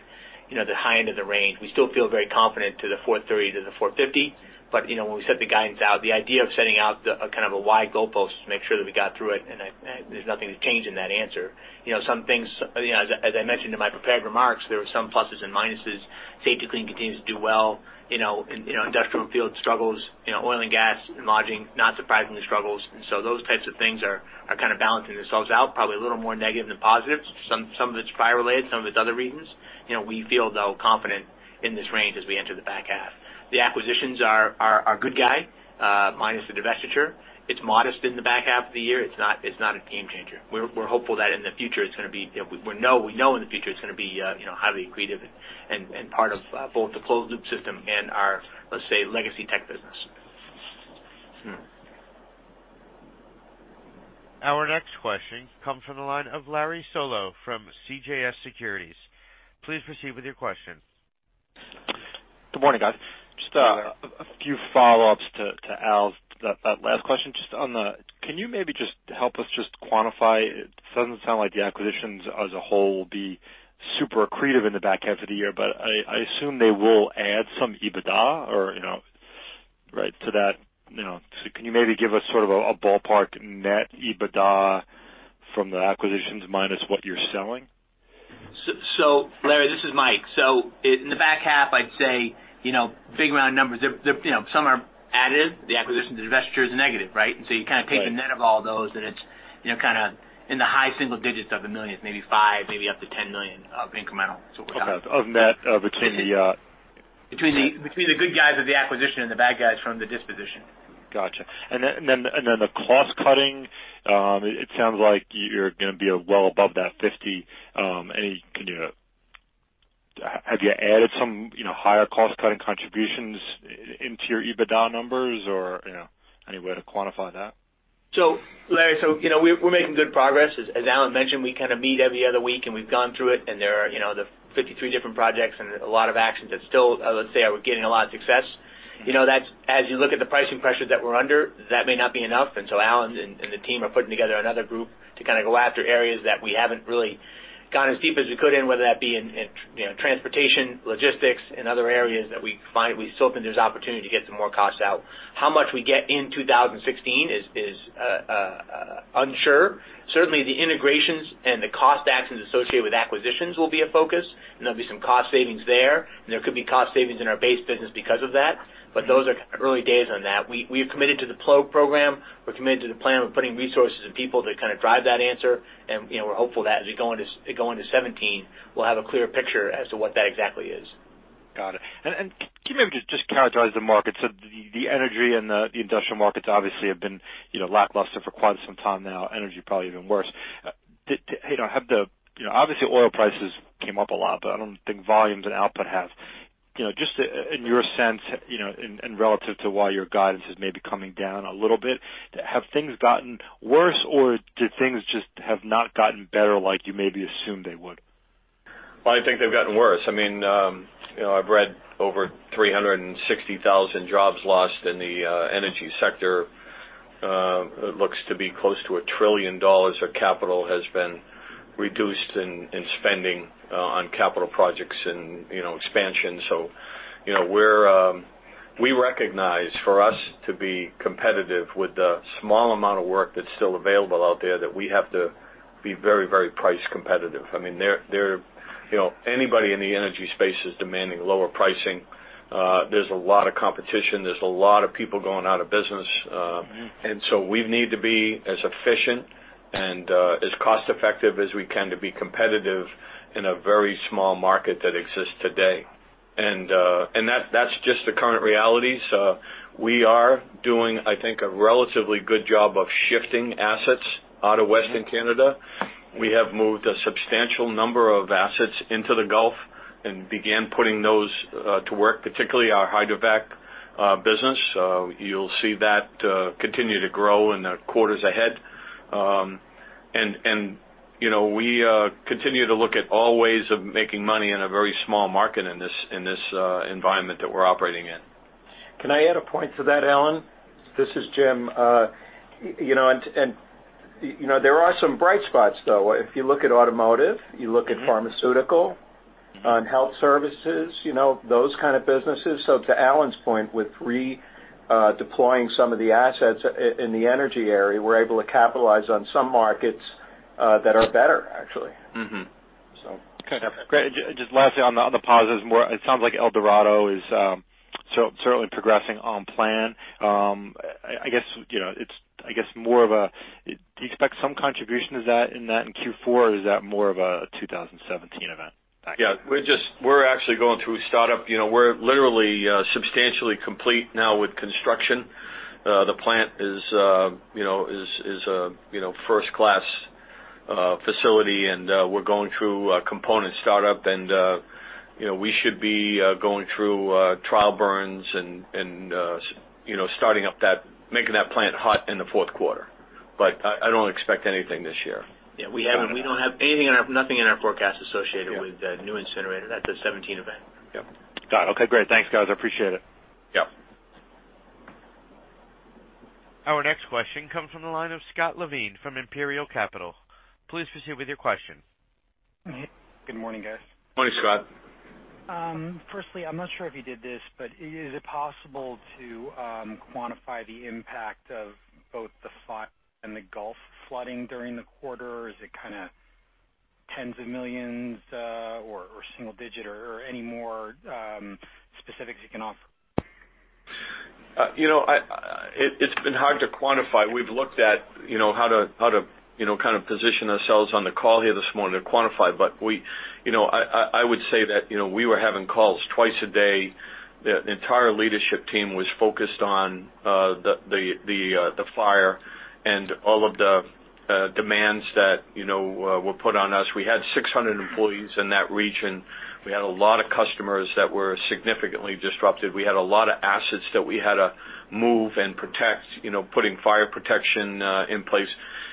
the high end of the range. We still feel very confident to the $430 million-$450 million, but when we set the guidance out, the idea of setting out kind of a wide goalpost to make sure that we got through it, and there's nothing to change in that answer. Some things, as I mentioned in my prepared remarks, there were some pluses and minuses. Safety-Kleen continues to do well. Industrial and field struggles, Oil and Gas and Lodging, not surprisingly, struggles. So those types of things are kind of balancing themselves out, probably a little more negative than positive. Some of it's fire-related, some of it's other reasons. We feel, though, confident in this range as we enter the back half. The acquisitions are good, minus the divestiture. It's modest in the back half of the year. It's not a game changer. We're hopeful that in the future it's going to be, we know in the future it's going to be highly accretive and part of both the closed-loop system and our, let's say, legacy tech business. Our next question comes from the line of Larry Solow from CJS Securities. Please proceed with your question. Good morning, guys. Just a few follow-ups to Al's last question. Just on the. Can you maybe just help us just quantify? It doesn't sound like the acquisitions as a whole will be super accretive in the back half of the year, but I assume they will add some EBITDA right to that. So can you maybe give us sort of a ballpark net EBITDA from the acquisitions minus what you're selling? So Larry, this is Mike. So in the back half, I'd say big round numbers. Some are additive. The acquisitions, the divestitures are negative, right? And so you kind of take the net of all those, and it's kind of in the high single digits of the millions, maybe $5 million, maybe up to $10 million of incremental sort of. Okay. Of net of between the. Between the good guys of the acquisition and the bad guys from the disposition. Gotcha. And then the cost cutting, it sounds like you're going to be well above that 50. Have you added some higher cost-cutting contributions into your EBITDA numbers or any way to quantify that? So Larry, we're making good progress. As Alan mentioned, we kind of meet every other week, and we've gone through it, and there are the 53 different projects and a lot of actions that still, let's say, are getting a lot of success. As you look at the pricing pressures that we're under, that may not be enough. And so Alan and the team are putting together another group to kind of go after areas that we haven't really gone as deep as we could in, whether that be in transportation, logistics, and other areas that we still think there's opportunity to get some more costs out. How much we get in 2016 is unsure. Certainly, the integrations and the cost actions associated with acquisitions will be a focus, and there'll be some cost savings there, and there could be cost savings in our base business because of that. Those are kind of early days on that. We're committed to the P4G program. We're committed to the plan of putting resources and people to kind of drive that answer. We're hopeful that as we go into 2017, we'll have a clearer picture as to what that exactly is. Got it. Can you maybe just characterize the market? The energy and the industrial markets obviously have been lackluster for quite some time now. Energy probably even worse. Have the, obviously, oil prices came up a lot, but I don't think volumes and output have. Just in your sense and relative to why your guidance is maybe coming down a little bit, have things gotten worse, or did things just have not gotten better like you maybe assumed they would? Well, I think they've gotten worse. I mean, I've read over 360,000 jobs lost in the energy sector. It looks to be close to $1 trillion of capital has been reduced in spending on capital projects and expansion. So we recognize for us to be competitive with the small amount of work that's still available out there that we have to be very, very price competitive. I mean, anybody in the energy space is demanding lower pricing. There's a lot of competition. There's a lot of people going out of business. And so we need to be as efficient and as cost-effective as we can to be competitive in a very small market that exists today. And that's just the current realities. We are doing, I think, a relatively good job of shifting assets out of Western Canada. We have moved a substantial number of assets into the Gulf and began putting those to work, particularly our Hydrovac business. You'll see that continue to grow in the quarters ahead. We continue to look at all ways of making money in a very small market in this environment that we're operating in. Can I add a point to that, Alan? This is Jim. There are some bright spots, though. If you look at automotive, you look at pharmaceutical and health services, those kind of businesses. To Alan's point, with redeploying some of the assets in the energy area, we're able to capitalize on some markets that are better, actually. Okay. Great. Just lastly on the positives, it sounds like El Dorado is certainly progressing on plan. I guess it's, I guess, more of a, do you expect some contribution in that in Q4, or is that more of a 2017 event? Yeah. We're actually going through startup. We're literally substantially complete now with construction. The plant is a first-class facility, and we're going through a component startup, and we should be going through trial burns and starting up that, making that plant hot in the fourth quarter. But I don't expect anything this year. Yeah. We don't have anything and nothing in our forecast associated with the new incinerator. That's a 2017 event. Yep. Got it. Okay. Great. Thanks, guys. I appreciate it. Yep. Our next question comes from the line of Scott Levine from Imperial Capital. Please proceed with your question. Good morning, guys. Morning, Scott. Firstly, I'm not sure if you did this, but is it possible to quantify the impact of both the flood and the Gulf flooding during the quarter? Is it kind of $10s of millions or single-digit or any more specifics you can offer? It's been hard to quantify. We've looked at how to kind of position ourselves on the call here this morning to quantify, but I would say that we were having calls twice a day. The entire leadership team was focused on the fire and all of the demands that were put on us. We had 600 employees in that region. We had a lot of customers that were significantly disrupted. We had a lot of assets that we had to move and protect, putting fire protection in place.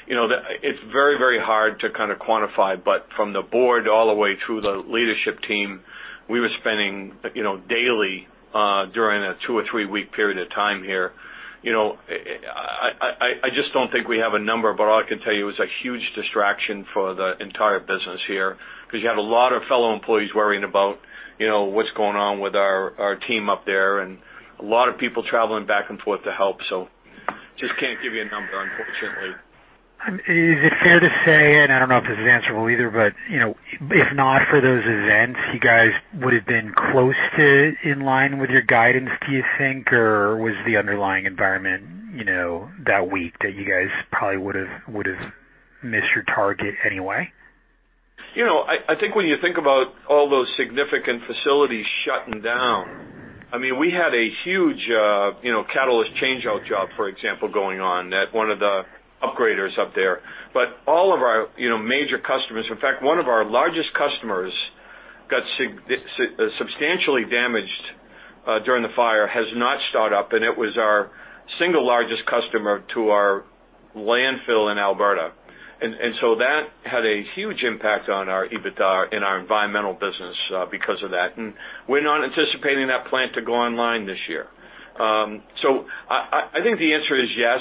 It's very, very hard to kind of quantify, but from the board all the way through the leadership team, we were spending daily during a two or three week period of time here. I just don't think we have a number, but all I can tell you is a huge distraction for the entire business here because you had a lot of fellow employees worrying about what's going on with our team up there and a lot of people traveling back and forth to help. So just can't give you a number, unfortunately. Is it fair to say, and I don't know if this is answerable either, but if not for those events, you guys would have been close to in line with your guidance, do you think, or was the underlying environment that weak that you guys probably would have missed your target anyway? I think when you think about all those significant facilities shutting down, I mean, we had a huge catalyst changeout job, for example, going on at one of the upgraders up there. But all of our major customers, in fact, one of our largest customers got substantially damaged during the fire, has not started up, and it was our single largest customer to our landfill in Alberta. And so that had a huge impact on our EBITDA in our environmental business because of that. And we're not anticipating that plant to go online this year. So I think the answer is yes,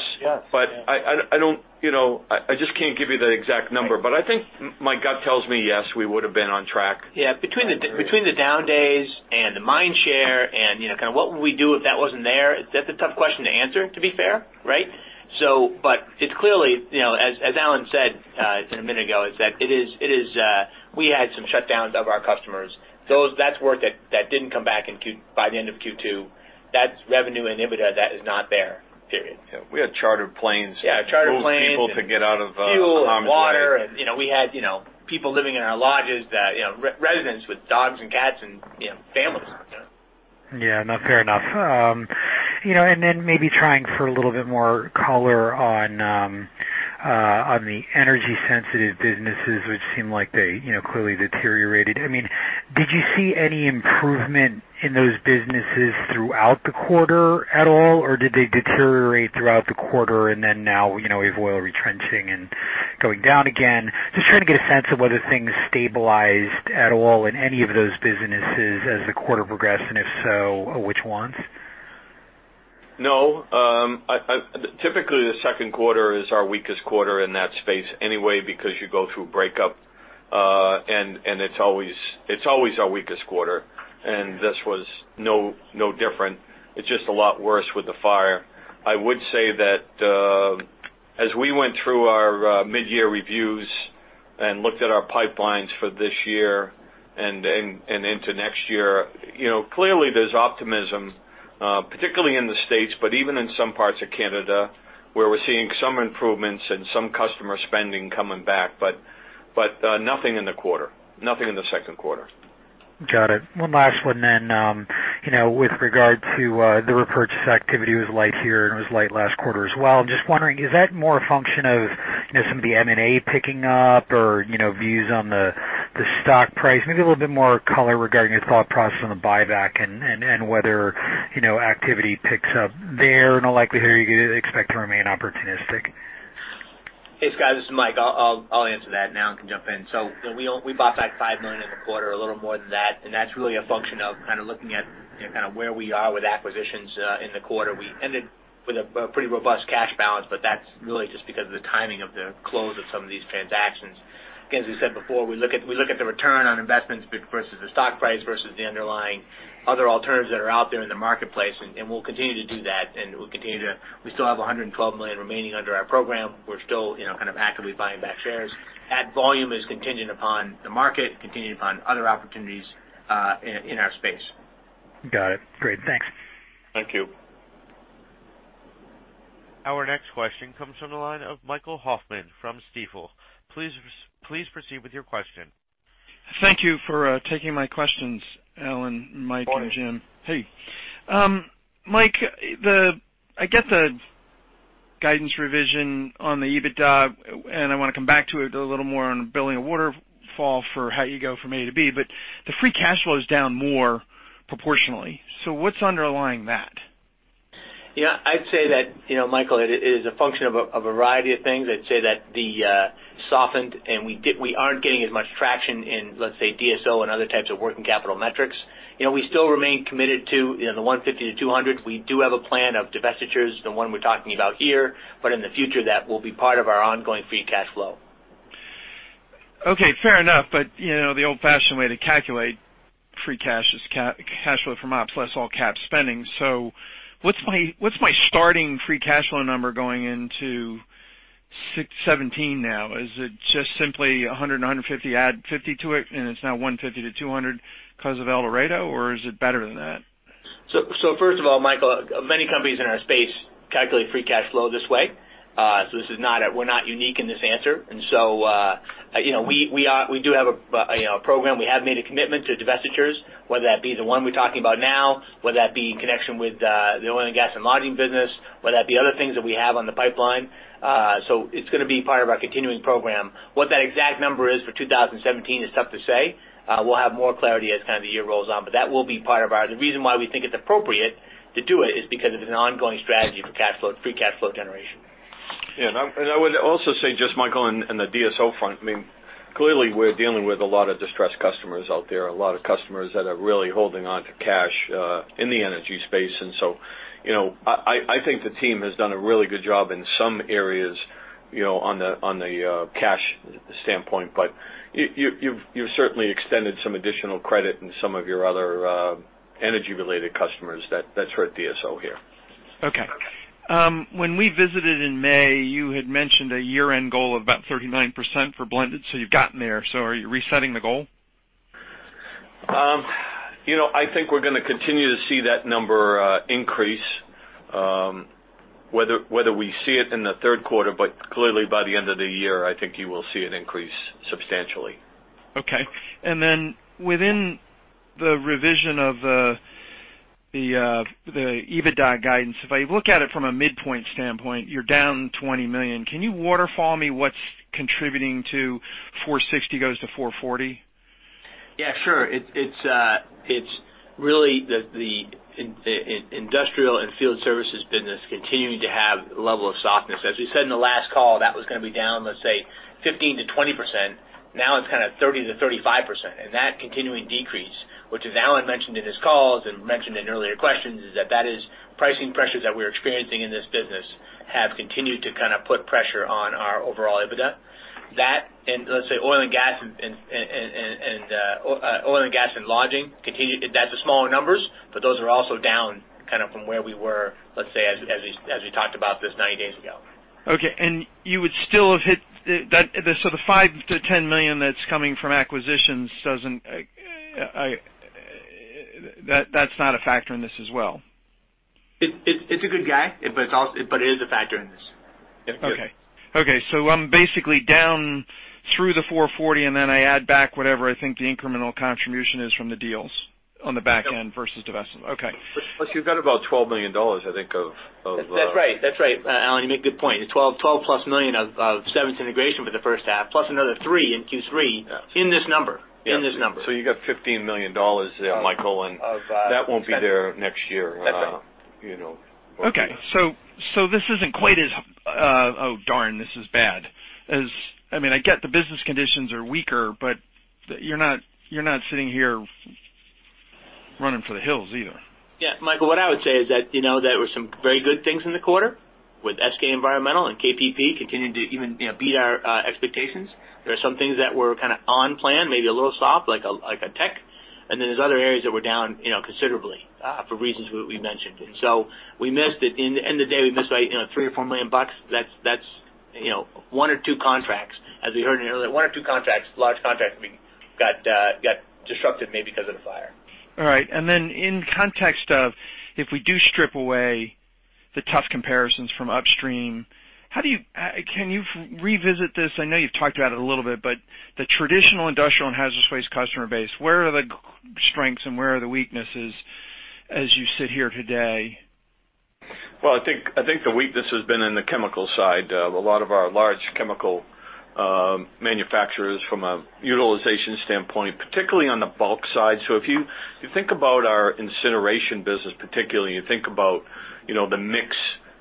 but I don't—I just can't give you the exact number, but I think my gut tells me yes, we would have been on track. Yeah. Between the down days and the mind share and kind of what would we do if that wasn't there, that's a tough question to answer, to be fair, right? But it's clearly, as Alan said a minute ago, is that we had some shutdowns of our customers. That's work that didn't come back by the end of Q2. That revenue and EBITDA, that is not there, period. Yeah. We had chartered planes. Yeah. Chartered planes. Full of people to get out of harm's way. Fuel and water. We had people living in our lodges, residents with dogs and cats and families. Yeah. Not fair enough. And then maybe trying for a little bit more color on the energy-sensitive businesses, which seemed like they clearly deteriorated. I mean, did you see any improvement in those businesses throughout the quarter at all, or did they deteriorate throughout the quarter and then now we have oil retrenching and going down again? Just trying to get a sense of whether things stabilized at all in any of those businesses as the quarter progressed, and if so, which ones? No. Typically, the second quarter is our weakest quarter in that space anyway because you go through breakup, and it's always our weakest quarter. This was no different. It's just a lot worse with the fire. I would say that as we went through our mid-year reviews and looked at our pipelines for this year and into next year, clearly there's optimism, particularly in the States, but even in some parts of Canada where we're seeing some improvements and some customer spending coming back, but nothing in the quarter. Nothing in the second quarter. Got it. One last one then. With regard to the repurchase activity, it was light here, and it was light last quarter as well. Just wondering, is that more a function of some of the M&A picking up or views on the stock price? Maybe a little bit more color regarding your thought process on the buyback and whether activity picks up there, and the likelihood you expect to remain opportunistic? Hey, Scott. This is Mike. I'll answer that now and can jump in. So we bought back $5 million in the quarter, a little more than that. And that's really a function of kind of looking at kind of where we are with acquisitions in the quarter. We ended with a pretty robust cash balance, but that's really just because of the timing of the close of some of these transactions. Again, as we said before, we look at the return on investments vs the stock price vs the underlying other alternatives that are out there in the marketplace, and we'll continue to do that. And we continue to—we still have $112 million remaining under our program. We're still kind of actively buying back shares. That volume is contingent upon the market, contingent upon other opportunities in our space. Got it. Great. Thanks. Thank you. Our next question comes from the line of Michael Hoffman from Stifel. Please proceed with your question. Thank you for taking my questions, Alan and Mike and Jim. Of course. Hey. Mike, I get the guidance revision on the EBITDA, and I want to come back to it a little more on building a waterfall for how you go from A to B, but the free cash flow is down more proportionally. So what's underlying that? Yeah. I'd say that, Michael, it is a function of a variety of things. I'd say that the softened—and we aren't getting as much traction in, let's say, DSO and other types of working capital metrics. We still remain committed to the 150-200. We do have a plan of divestitures, the one we're talking about here, but in the future, that will be part of our ongoing free cash flow. Okay. Fair enough. But the old-fashioned way to calculate free cash is cash flow from ops less all cap spending. So what's my starting free cash flow number going into 2017 now? Is it just simply $100 and $150, add $50 to it, and it's now $150-$200 because of El Dorado, or is it better than that? So first of all, Michael, many companies in our space calculate free cash flow this way. So this is not, we're not unique in this answer. And so we do have a program. We have made a commitment to divestitures, whether that be the one we're talking about now, whether that be in connection with the Oil and Gas and Lodging business, whether that be other things that we have on the pipeline. So it's going to be part of our continuing program. What that exact number is for 2017 is tough to say. We'll have more clarity as kind of the year rolls on, but that will be part of our, the reason why we think it's appropriate to do it is because it is an ongoing strategy for free cash flow generation. Yeah. And I would also say, just Michael and the DSO front, I mean, clearly we're dealing with a lot of distressed customers out there, a lot of customers that are really holding on to cash in the energy space. And so I think the team has done a really good job in some areas on the cash standpoint, but you've certainly extended some additional credit in some of your other energy-related customers that's for DSO here. Okay. When we visited in May, you had mentioned a year-end goal of about 39% for blended. So you've gotten there. So are you resetting the goal? I think we're going to continue to see that number increase, whether we see it in the third quarter, but clearly by the end of the year, I think you will see it increase substantially. Okay. And then within the revision of the EBITDA guidance, if I look at it from a midpoint standpoint, you're down $20 million. Can you waterfall me what's contributing to $460 goes to $440? Yeah. Sure. It's really the Industrial and Field Services business continuing to have a level of softness. As we said in the last call, that was going to be down, let's say, 15%-20%. Now it's kind of 30%-35%. And that continuing decrease, which is Alan mentioned in his calls and mentioned in earlier questions, is that that is pricing pressures that we're experiencing in this business have continued to kind of put pressure on our overall EBITDA. That, and let's say Oil and Gas and Oil and Gas and Lodging, that's the smaller numbers, but those are also down kind of from where we were, let's say, as we talked about this 90 days ago. Okay. And you would still have hit so the $5 million-$10 million that's coming from acquisitions, that's not a factor in this as well? It's a good guy, but it is a factor in this. Okay. Okay. So I'm basically down through the 440, and then I add back whatever I think the incremental contribution is from the deals on the back end vs divestment. Okay. Plus, you've got about $12 million, I think, of. That's right. That's right. Alan, you make a good point. $12 million of synergy integration for the first half, plus another $3 million in Q3 in this number. In this number. You've got $15 million there, Michael, and that won't be there next year. That's right. Okay. So this isn't quite as. Oh, darn, this is bad. I mean, I get the business conditions are weaker, but you're not sitting here running for the hills either. Yeah. Michael, what I would say is that there were some very good things in the quarter with SK Environmental and KPP continuing to even beat our expectations. There are some things that were kind of on plan, maybe a little soft, like TS. And then there's other areas that were down considerably for reasons we mentioned. And so we missed it. In the end of the day, we missed by $3 million-$4 million. That's one or two contracts, as we heard in earlier, one or two contracts, large contracts we got disrupted maybe because of the fire. All right. Then in context of if we do strip away the tough comparisons from upstream, can you revisit this? I know you've talked about it a little bit, but the traditional industrial and hazardous waste customer base, where are the strengths and where are the weaknesses as you sit here today? Well, I think the weakness has been in the chemical side. A lot of our large chemical manufacturers from a utilization standpoint, particularly on the bulk side. So if you think about our incineration business, particularly, you think about the mix,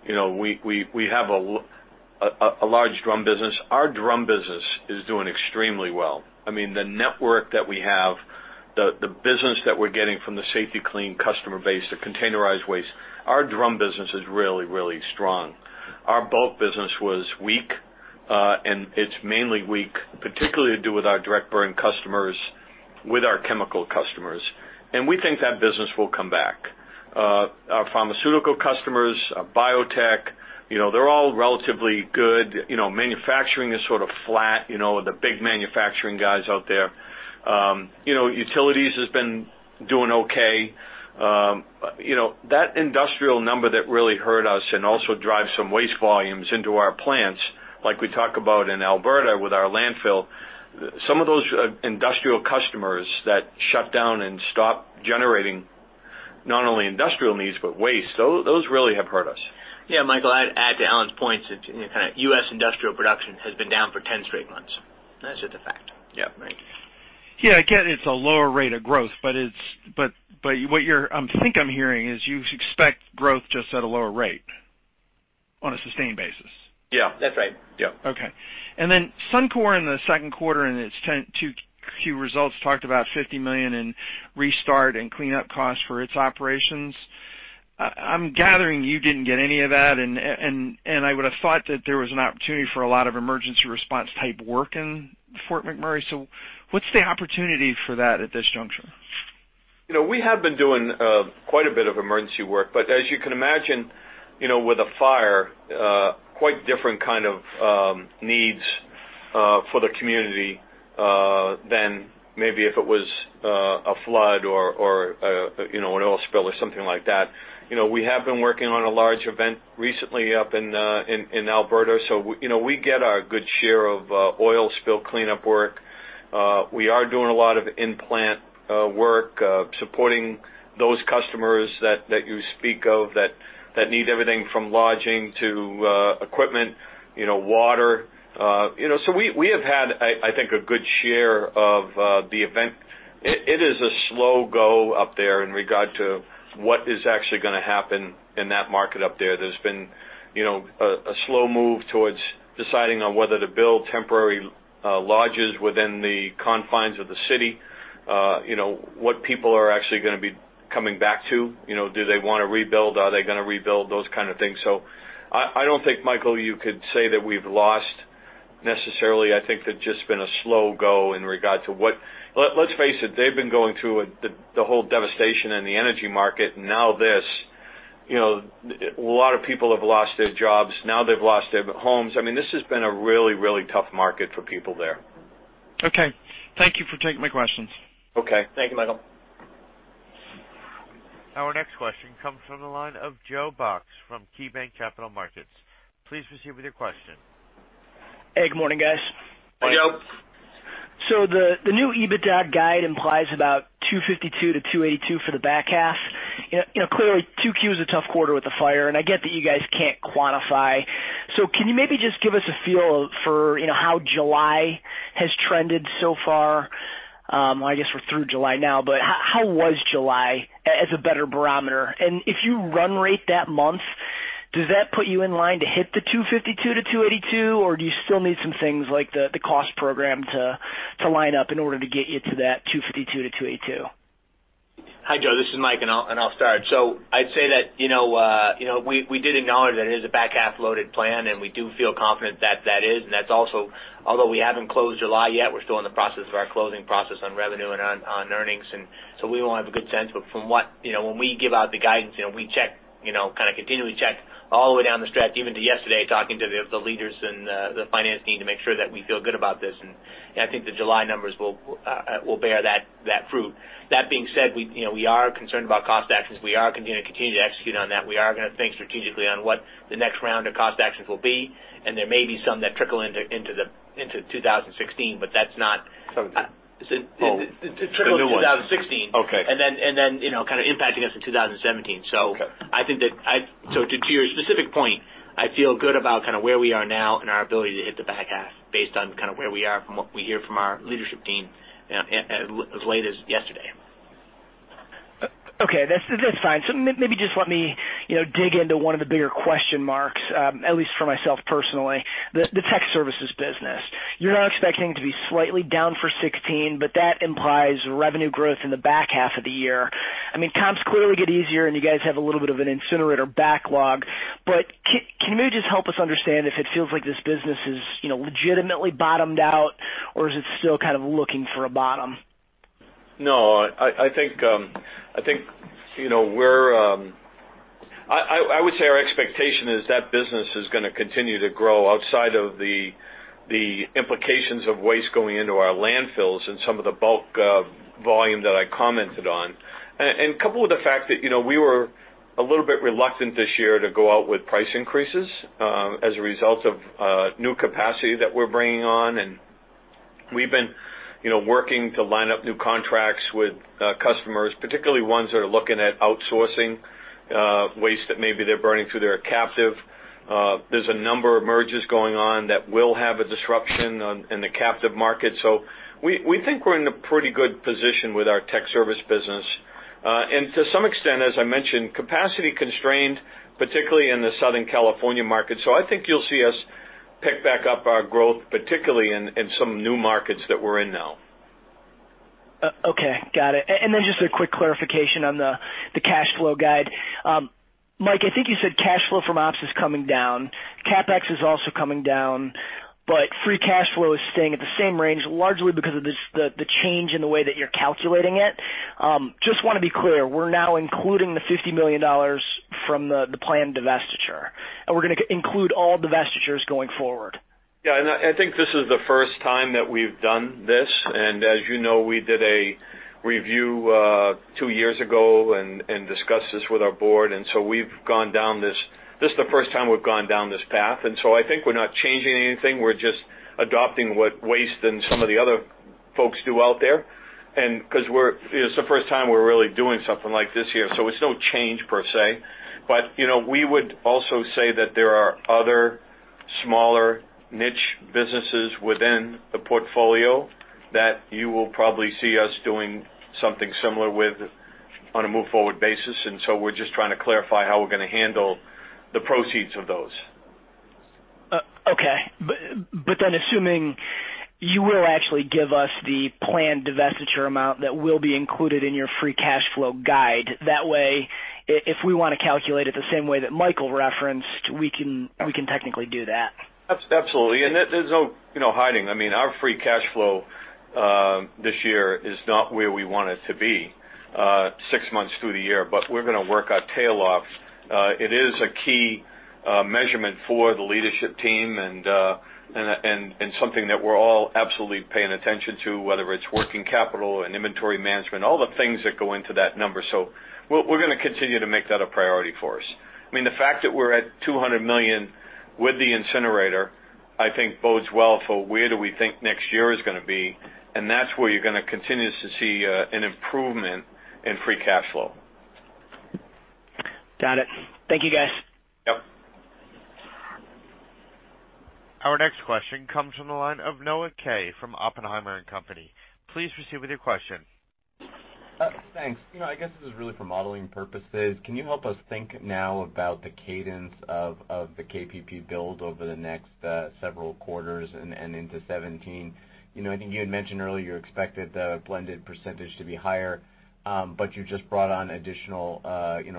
we have a large drum business. Our drum business is doing extremely well. I mean, the network that we have, the business that we're getting from the Safety-Kleen customer base, the containerized waste, our drum business is really, really strong. Our bulk business was weak, and it's mainly weak, particularly to do with our direct burn customers, with our chemical customers. And we think that business will come back. Our pharmaceutical customers, our biotech, they're all relatively good. Manufacturing is sort of flat with the big manufacturing guys out there. Utilities has been doing okay. That industrial number that really hurt us and also drives some waste volumes into our plants, like we talk about in Alberta with our landfill. Some of those industrial customers that shut down and stop generating not only industrial needs, but waste, those really have hurt us. Yeah, Michael, I'd add to Alan's points that kind of U.S. industrial production has been down for 10 straight months. That's just a fact. Yeah. Yeah. Again, it's a lower rate of growth, but what I think I'm hearing is you expect growth just at a lower rate on a sustained basis. Yeah. That's right. Yeah. Okay. And then Suncor in the second quarter and its Q2 results talked about $50 million in restart and cleanup costs for its operations. I'm gathering you didn't get any of that, and I would have thought that there was an opportunity for a lot of emergency response type work in Fort McMurray. So what's the opportunity for that at this juncture? We have been doing quite a bit of emergency work, but as you can imagine, with a fire, quite different kind of needs for the community than maybe if it was a flood or an oil spill or something like that. We have been working on a large event recently up in Alberta, so we get our good share of oil spill cleanup work. We are doing a lot of in-plant work supporting those customers that you speak of that need everything from lodging to equipment, water. So we have had, I think, a good share of the event. It is a slow go up there in regard to what is actually going to happen in that market up there. There's been a slow move towards deciding on whether to build temporary lodges within the confines of the city, what people are actually going to be coming back to. Do they want to rebuild? Are they going to rebuild? Those kind of things. So I don't think, Michael, you could say that we've lost necessarily. I think there's just been a slow go in regard to what, let's face it, they've been going through the whole devastation in the energy market, and now this. A lot of people have lost their jobs. Now they've lost their homes. I mean, this has been a really, really tough market for people there. Okay. Thank you for taking my questions. Okay. Thank you, Michael. Our next question comes from the line of Joe Box from KeyBanc Capital Markets. Please proceed with your question. Hey. Good morning, guys. Hey, Joe. So the new EBITDA guide implies about 252-282 for the back half. Clearly, 2Q is a tough quarter with the fire, and I get that you guys can't quantify. So can you maybe just give us a feel for how July has trended so far? I guess we're through July now, but how was July as a better barometer? And if you run rate that month, does that put you in line to hit the 252-282, or do you still need some things like the cost program to line up in order to get you to that 252-282? Hi, Joe. This is Mike, and I'll start. So I'd say that we did acknowledge that it is a back half-loaded plan, and we do feel confident that that is. And that's also, although we haven't closed July yet, we're still in the process of our closing process on revenue and on earnings. And so we will have a good sense. But from what, when we give out the guidance, we check, kind of continually check all the way down the stretch, even to yesterday, talking to the leaders and the finance team to make sure that we feel good about this. And I think the July numbers will bear that fruit. That being said, we are concerned about cost actions. We are going to continue to execute on that. We are going to think strategically on what the next round of cost actions will be. There may be some that trickle into 2016, but that's not. Something. Trickle into 2016. Okay. And then kind of impacting us in 2017. So I think that, so to your specific point, I feel good about kind of where we are now and our ability to hit the back half based on kind of where we are from what we hear from our leadership team as late as yesterday. Okay. That's fine. So maybe just let me dig into one of the bigger question marks, at least for myself personally, the Tech Services business. You're not expecting it to be slightly down for 2016, but that implies revenue growth in the back half of the year. I mean, comps clearly get easier, and you guys have a little bit of an incinerator backlog. But can you maybe just help us understand if it feels like this business is legitimately bottomed out, or is it still kind of looking for a bottom? No. I think we're—I would say our expectation is that business is going to continue to grow outside of the implications of waste going into our landfills and some of the bulk volume that I commented on. Coupled with the fact that we were a little bit reluctant this year to go out with price increases as a result of new capacity that we're bringing on. We've been working to line up new contracts with customers, particularly ones that are looking at outsourcing waste that maybe they're burning through their captive. There's a number of mergers going on that will have a disruption in the captive market. So we think we're in a pretty good position with our tech service business. And to some extent, as I mentioned, capacity constrained, particularly in the Southern California market. I think you'll see us pick back up our growth, particularly in some new markets that we're in now. Okay. Got it. And then just a quick clarification on the cash flow guide. Mike, I think you said cash flow from ops is coming down. CapEx is also coming down, but free cash flow is staying at the same range, largely because of the change in the way that you're calculating it. Just want to be clear, we're now including the $50 million from the planned divestiture, and we're going to include all divestitures going forward. Yeah. I think this is the first time that we've done this. As you know, we did a review two years ago and discussed this with our board. We've gone down this—this is the first time we've gone down this path. I think we're not changing anything. We're just adopting what Waste and some of the other folks do out there. Because it's the first time we're really doing something like this here, so it's no change per se. But we would also say that there are other smaller niche businesses within the portfolio that you will probably see us doing something similar with on a move-forward basis. We're just trying to clarify how we're going to handle the proceeds of those. Okay. But then assuming you will actually give us the planned divestiture amount that will be included in your free cash flow guide, that way, if we want to calculate it the same way that Michael referenced, we can technically do that. Absolutely. And there's no hiding. I mean, our free cash flow this year is not where we want it to be six months through the year, but we're going to work our tail off. It is a key measurement for the leadership team and something that we're all absolutely paying attention to, whether it's working capital and inventory management, all the things that go into that number. So we're going to continue to make that a priority for us. I mean, the fact that we're at $200 million with the incinerator, I think bodes well for where do we think next year is going to be. And that's where you're going to continue to see an improvement in free cash flow. Got it. Thank you, guys. Yep. Our next question comes from the line of Noah Kaye from Oppenheimer & Company. Please proceed with your question. Thanks. I guess this is really for modeling purposes. Can you help us think now about the cadence of the KPP build over the next several quarters and into 2017? I think you had mentioned earlier you expected the blended % to be higher, but you just brought on additional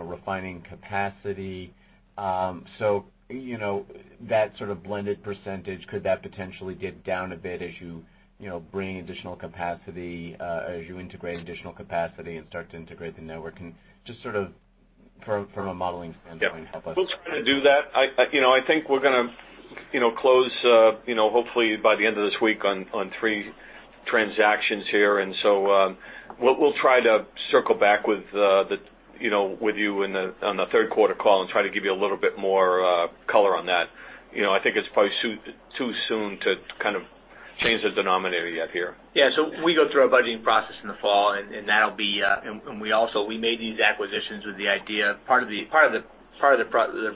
refining capacity. So that sort of blended %, could that potentially get down a bit as you bring additional capacity, as you integrate additional capacity and start to integrate the network? And just sort of from a modeling standpoint, help us. Yeah. We'll try to do that. I think we're going to close, hopefully, by the end of this week on three transactions here. And so we'll try to circle back with you on the third quarter call and try to give you a little bit more color on that. I think it's probably too soon to kind of change the denominator yet here. Yeah. So we go through a budgeting process in the fall, and that'll be—and we also made these acquisitions with the idea of part of the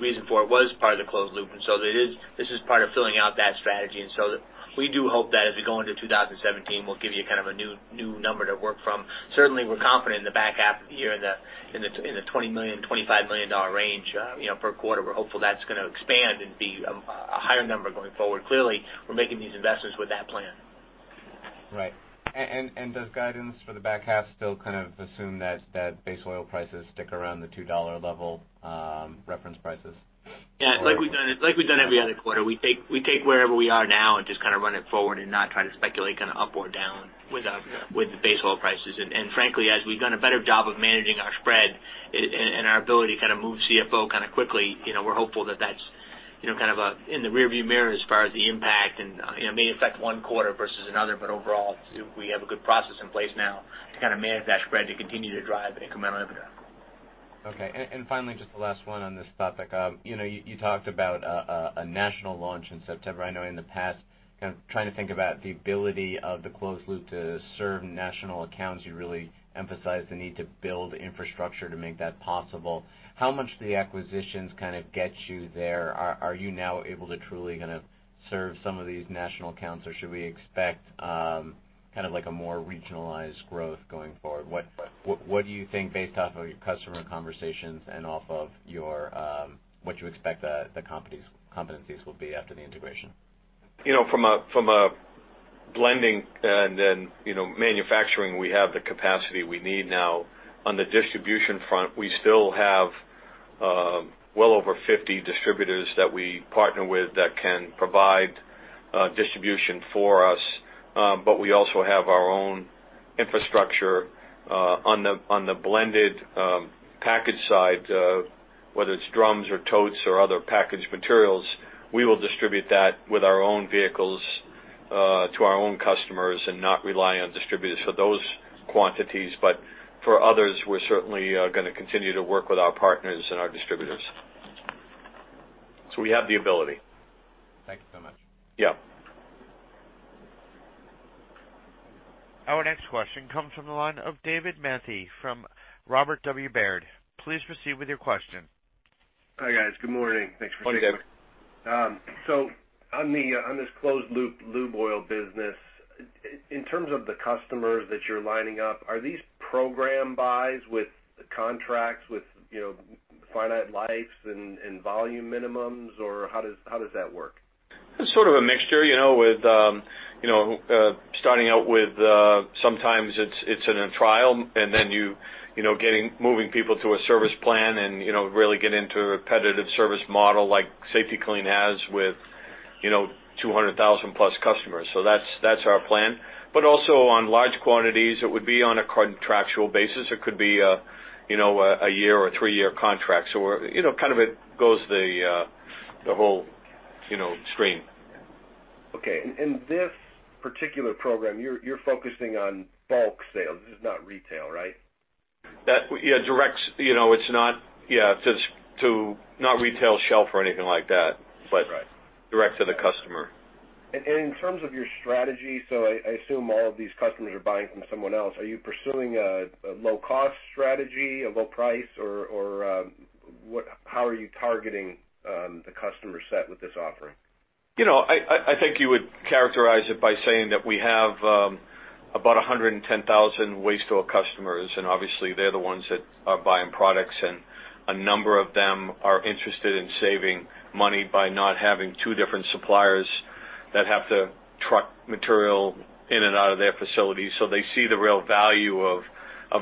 reason for it was part of the closed loop. And so this is part of filling out that strategy. And so we do hope that as we go into 2017, we'll give you kind of a new number to work from. Certainly, we're confident in the back half of the year in the $20 million-$25 million range per quarter. We're hopeful that's going to expand and be a higher number going forward. Clearly, we're making these investments with that plan. Right. And does guidance for the back half still kind of assume that base oil prices stick around the $2 level reference prices? Yeah. Like we've done every other quarter. We take wherever we are now and just kind of run it forward and not try to speculate kind of up or down with the base oil prices. And frankly, as we've done a better job of managing our spread and our ability to kind of move CFO kind of quickly, we're hopeful that that's kind of in the rearview mirror as far as the impact and may affect one quarter vs another. But overall, we have a good process in place now to kind of manage that spread to continue to drive incremental inventory. Okay. And finally, just the last one on this topic. You talked about a national launch in September. I know in the past, kind of trying to think about the ability of the closed loop to serve national accounts, you really emphasized the need to build infrastructure to make that possible. How much do the acquisitions kind of get you there? Are you now able to truly kind of serve some of these national accounts, or should we expect kind of a more regionalized growth going forward? What do you think based off of your customer conversations and off of what you expect the competencies will be after the integration? From a blending and then manufacturing, we have the capacity we need now. On the distribution front, we still have well over 50 distributors that we partner with that can provide distribution for us. But we also have our own infrastructure. On the blended package side, whether it's drums or totes or other packaged materials, we will distribute that with our own vehicles to our own customers and not rely on distributors for those quantities. But for others, we're certainly going to continue to work with our partners and our distributors. So we have the ability. Thank you so much. Yeah. Our next question comes from the line of David Manthey from Robert W. Baird. Please proceed with your question. Hi, guys. Good morning. Thanks for taking the time. Hi, David. On this closed-loop lube oil business, in terms of the customers that you're lining up, are these program buys with contracts with finite life and volume minimums, or how does that work? It's sort of a mixture with starting out with sometimes it's in a trial, and then you're moving people to a service plan and really get into a repetitive service model like Safety-Kleen has with 200,000+ customers. So that's our plan. But also on large quantities, it would be on a contractual basis. It could be a year or a three-year contract. So kind of it goes the whole stream. Okay. This particular program, you're focusing on bulk sales. This is not retail, right? Yeah. Direct. It's not, yeah, to not retail shelf or anything like that, but direct to the customer. In terms of your strategy, so I assume all of these customers are buying from someone else. Are you pursuing a low-cost strategy, a low price, or how are you targeting the customer set with this offering? I think you would characterize it by saying that we have about 110,000 waste oil customers, and obviously, they're the ones that are buying products. And a number of them are interested in saving money by not having two different suppliers that have to truck material in and out of their facilities. So they see the real value of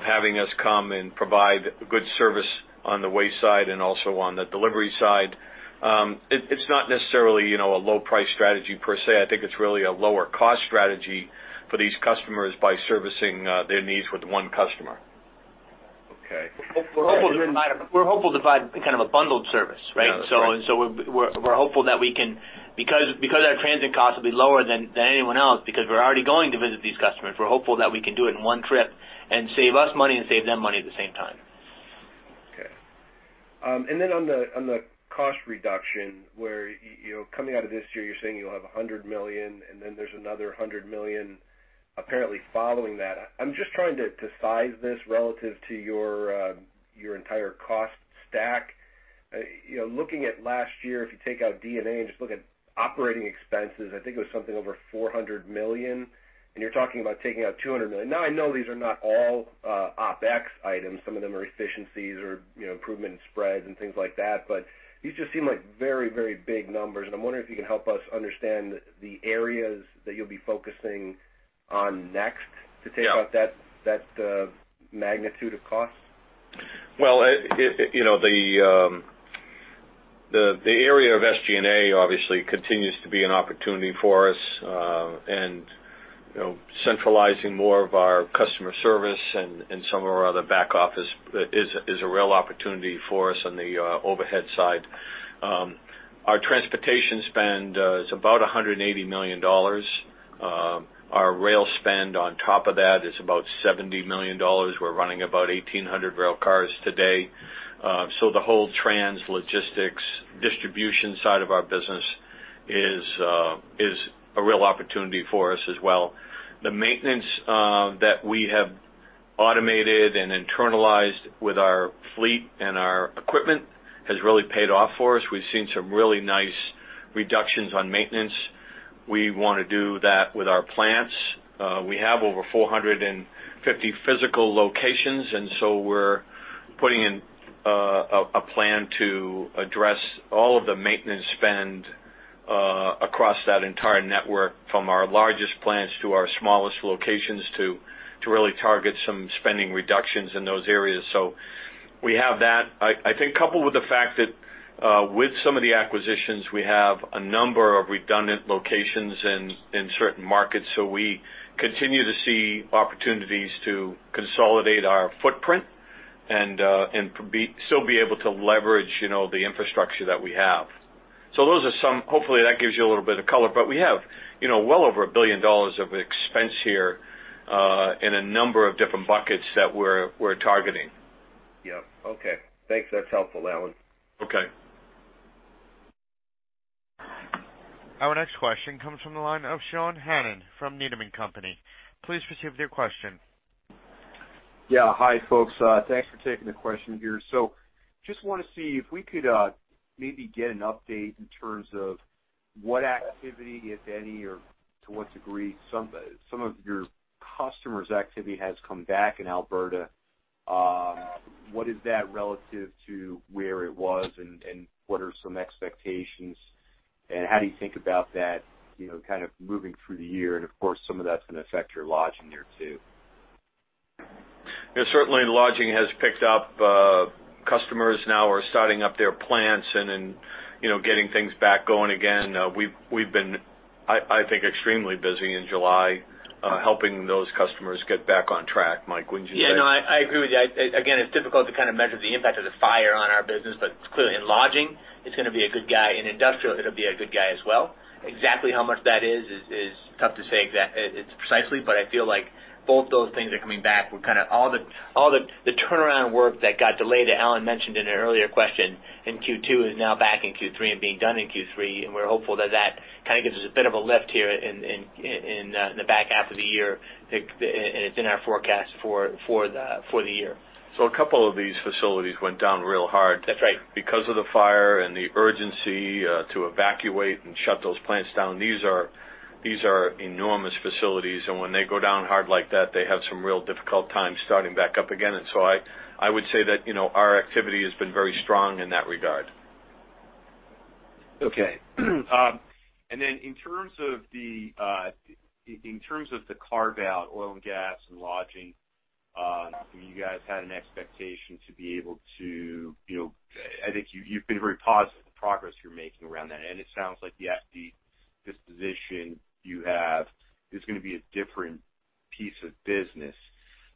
having us come and provide good service on the waste side and also on the delivery side. It's not necessarily a low-price strategy per se. I think it's really a lower-cost strategy for these customers by servicing their needs with one customer. Okay. We're hopeful to provide kind of a bundled service, right? And so we're hopeful that we can, because our transit costs will be lower than anyone else because we're already going to visit these customers, we're hopeful that we can do it in one trip and save us money and save them money at the same time. Okay. And then on the cost reduction, we're coming out of this year, you're saying you'll have $100 million, and then there's another $100 million apparently following that. I'm just trying to size this relative to your entire cost stack. Looking at last year, if you take out D&A and just look at operating expenses, I think it was something over $400 million. And you're talking about taking out $200 million. Now, I know these are not all OpEx items. Some of them are efficiencies or improvement in spreads and things like that. But these just seem like very, very big numbers. And I'm wondering if you can help us understand the areas that you'll be focusing on next to take out that magnitude of costs. Well, the area of SG&A obviously continues to be an opportunity for us. Centralizing more of our customer service and some of our other back office is a real opportunity for us on the overhead side. Our transportation spend is about $180 million. Our rail spend on top of that is about $70 million. We're running about 1,800 rail cars today. So the whole trans logistics distribution side of our business is a real opportunity for us as well. The maintenance that we have automated and internalized with our fleet and our equipment has really paid off for us. We've seen some really nice reductions on maintenance. We want to do that with our plants. We have over 450 physical locations, and so we're putting in a plan to address all of the maintenance spend across that entire network from our largest plants to our smallest locations to really target some spending reductions in those areas. So we have that. I think coupled with the fact that with some of the acquisitions, we have a number of redundant locations in certain markets. So we continue to see opportunities to consolidate our footprint and still be able to leverage the infrastructure that we have. So those are some hopefully, that gives you a little bit of color. But we have well over $1 billion of expense here in a number of different buckets that we're targeting. Yep. Okay. Thanks. That's helpful, Alan. Okay. Our next question comes from the line of Sean Hannan from Needham & Company. Please proceed with your question. Yeah. Hi, folks. Thanks for taking the question here. So just want to see if we could maybe get an update in terms of what activity, if any, or to what degree some of your customers' activity has come back in Alberta? What is that relative to where it was, and what are some expectations, and how do you think about that kind of moving through the year? And of course, some of that's going to affect your Lodging there too. Yeah. Certainly, Lodging has picked up. Customers now are starting up their plants and getting things back going again. We've been, I think, extremely busy in July helping those customers get back on track, Mike. Wouldn't you say? Yeah. No, I agree with you. Again, it's difficult to kind of measure the impact of the fire on our business, but clearly, in Lodging, it's going to be a good guy. In industrial, it'll be a good guy as well. Exactly how much that is is tough to say precisely, but I feel like both those things are coming back. Kind of all the turnaround work that got delayed that Alan mentioned in an earlier question in Q2 is now back in Q3 and being done in Q3. And we're hopeful that that kind of gives us a bit of a lift here in the back half of the year, and it's in our forecast for the year. So a couple of these facilities went down real hard. That's right. Because of the fire and the urgency to evacuate and shut those plants down. These are enormous facilities. When they go down hard like that, they have some real difficult time starting back up again. So I would say that our activity has been very strong in that regard. Okay. And then in terms of the carve-out Oil and Gas and Lodging, you guys had an expectation to be able to, I think you've been very positive with the progress you're making around that. And it sounds like the disposition you have is going to be a different piece of business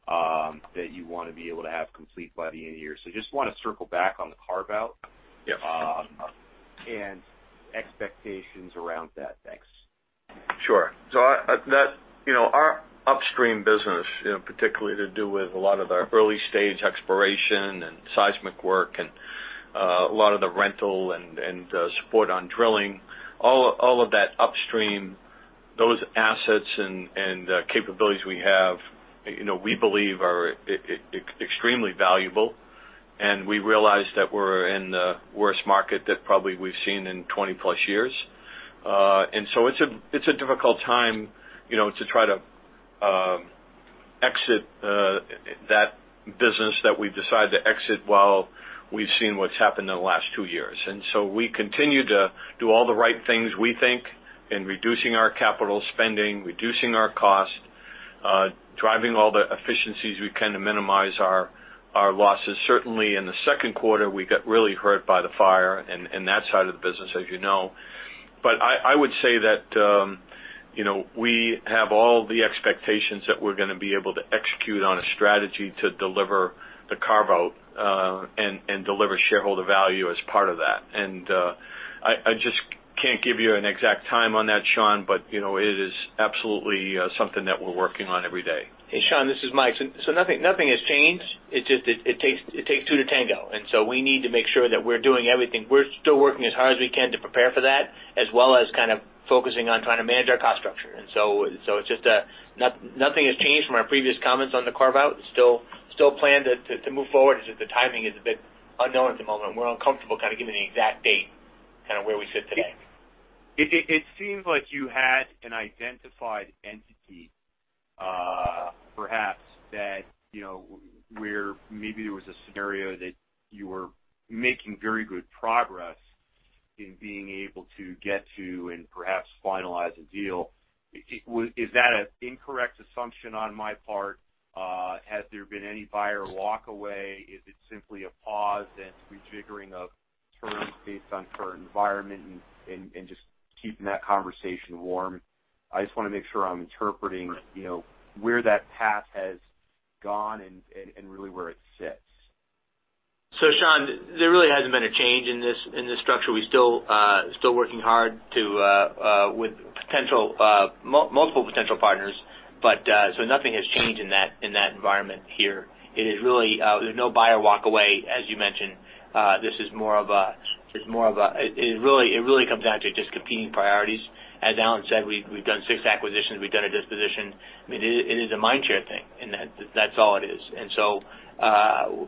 that you want to be able to have complete by the end of the year. So just want to circle back on the carve-out and expectations around that. Thanks. Sure. So our upstream business, particularly to do with a lot of the early-stage exploration and seismic work and a lot of the rental and support on drilling, all of that upstream, those assets and capabilities we have, we believe are extremely valuable. And we realize that we're in the worst market that probably we've seen in 20+ years. And so it's a difficult time to try to exit that business that we've decided to exit while we've seen what's happened in the last two years. And so we continue to do all the right things we think in reducing our capital spending, reducing our cost, driving all the efficiencies we can to minimize our losses. Certainly, in the second quarter, we got really hurt by the fire and that side of the business, as you know. I would say that we have all the expectations that we're going to be able to execute on a strategy to deliver the carve-out and deliver shareholder value as part of that. I just can't give you an exact time on that, Sean, but it is absolutely something that we're working on every day. Hey, Sean, this is Mike. So nothing has changed. It's just it takes two to tango. And so we need to make sure that we're doing everything. We're still working as hard as we can to prepare for that, as well as kind of focusing on trying to manage our cost structure. And so it's just nothing has changed from our previous comments on the carve-out. It's still planned to move forward. It's just the timing is a bit unknown at the moment. We're uncomfortable kind of giving the exact date kind of where we sit today. It seems like you had an identified entity, perhaps, that where maybe there was a scenario that you were making very good progress in being able to get to and perhaps finalize a deal. Is that an incorrect assumption on my part? Has there been any buyer walk-away? Is it simply a pause and rejiggering of terms based on current environment and just keeping that conversation warm? I just want to make sure I'm interpreting where that path has gone and really where it sits. So, Sean, there really hasn't been a change in this structure. We're still working hard with multiple potential partners. So nothing has changed in that environment here. It is really there's no buyer walk-away, as you mentioned. This is more of a—it really comes down to just competing priorities. As Alan said, we've done six acquisitions. We've done a disposition. I mean, it is a mind share thing, and that's all it is. And so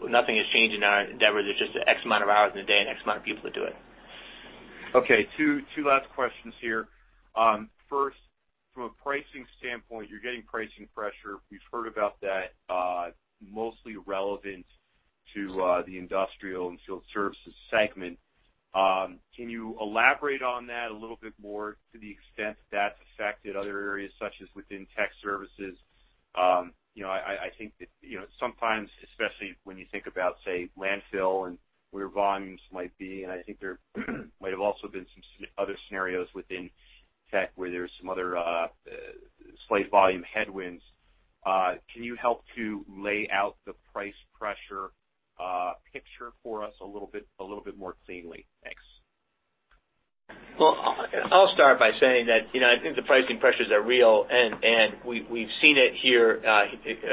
nothing has changed in our endeavors. It's just an X amount of hours in a day and X amount of people to do it. Okay. Two last questions here. First, from a pricing standpoint, you're getting pricing pressure. We've heard about that. Mostly relevant to the Industrial and Field Services segment. Can you elaborate on that a little bit more to the extent that's affected other areas, such as within Tech Services? I think that sometimes, especially when you think about, say, landfill and where volumes might be, and I think there might have also been some other scenarios within tech where there's some other slight volume headwinds. Can you help to lay out the price pressure picture for us a little bit more cleanly? Thanks. Well, I'll start by saying that I think the pricing pressures are real, and we've seen it here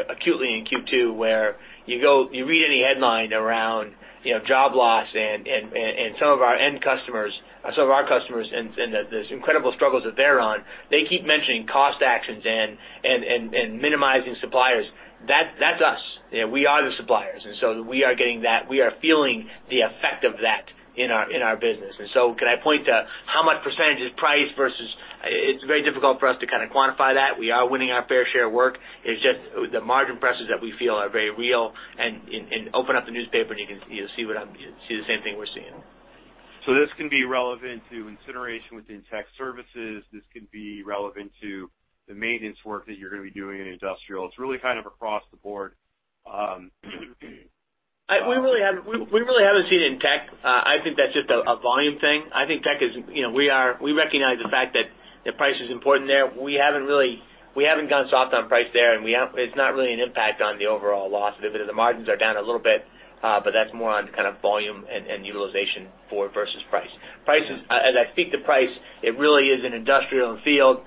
acutely in Q2, where you read any headline around job loss and some of our end customers or some of our customers and the incredible struggles that they're on, they keep mentioning cost actions and minimizing suppliers. That's us. We are the suppliers. We are getting that. We are feeling the effect of that in our business. Can I point to how much % is price vs—it's very difficult for us to kind of quantify that. We are winning our fair share of work. It's just the margin pressures that we feel are very real. Open up the newspaper, and you'll see the same thing we're seeing. This can be relevant to incineration within Tech Services. This can be relevant to the maintenance work that you're going to be doing in industrial. It's really kind of across the board. We really haven't seen it in tech. I think that's just a volume thing. I think tech is—we recognize the fact that the price is important there. We haven't gone soft on price there, and it's not really an impact on the overall loss. The margins are down a little bit, but that's more on kind of volume and utilization vs price. As I speak to price, it really is an industrial and field.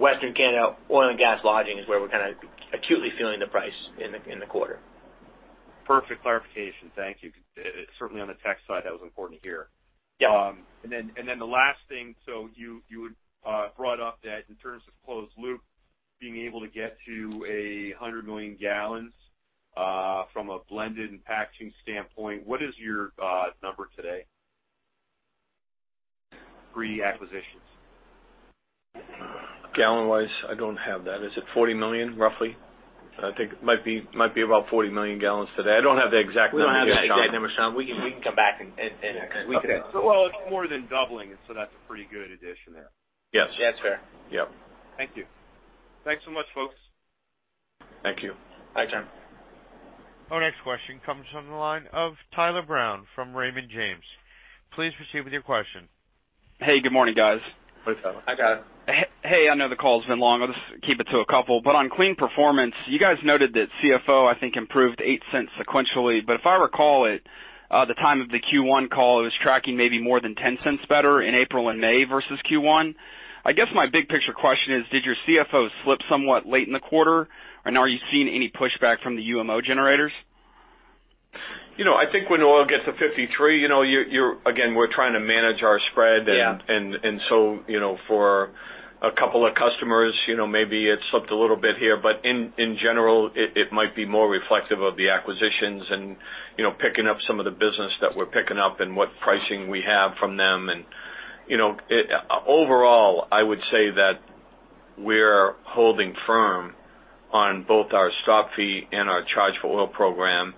Western Canada Oil and Gas Lodging is where we're kind of acutely feeling the price in the quarter. Perfect clarification. Thank you. Certainly, on the tech side, that was important to hear. And then the last thing, so you brought up that in terms of closed loop, being able to get to 100 million gallons from a blended and packaging standpoint, what is your number today? Three acquisitions. Gallon-wise, I don't have that. Is it 40 million, roughly? I think it might be about 40 million gallons today. I don't have the exact number yet. We don't have the exact number, Sean. We can come back and... Well, it's more than doubling, and so that's a pretty good addition there. Yes. That's fair. Thank you. Thanks so much, folks. Thank you. Thanks, Sean. Our next question comes from the line of Tyler Brown from Raymond James. Please proceed with your question. Hey, good morning, guys. Hey, Tyler. I got it. Hey, I know the call's been long. I'll just keep it to a couple. But on Kleen Performance, you guys noted that CFO, I think, improved $0.08 sequentially. But if I recall it, at the time of the Q1 call, it was tracking maybe more than $0.10 better in April and May vs Q1. I guess my big picture question is, did your CFO slip somewhat late in the quarter? And are you seeing any pushback from the UMO generators? I think when oil gets to $53, again, we're trying to manage our spread. And so for a couple of customers, maybe it slipped a little bit here. But in general, it might be more reflective of the acquisitions and picking up some of the business that we're picking up and what pricing we have from them. And overall, I would say that we're holding firm on both our Stop Fee and our Charge-for-Oil program.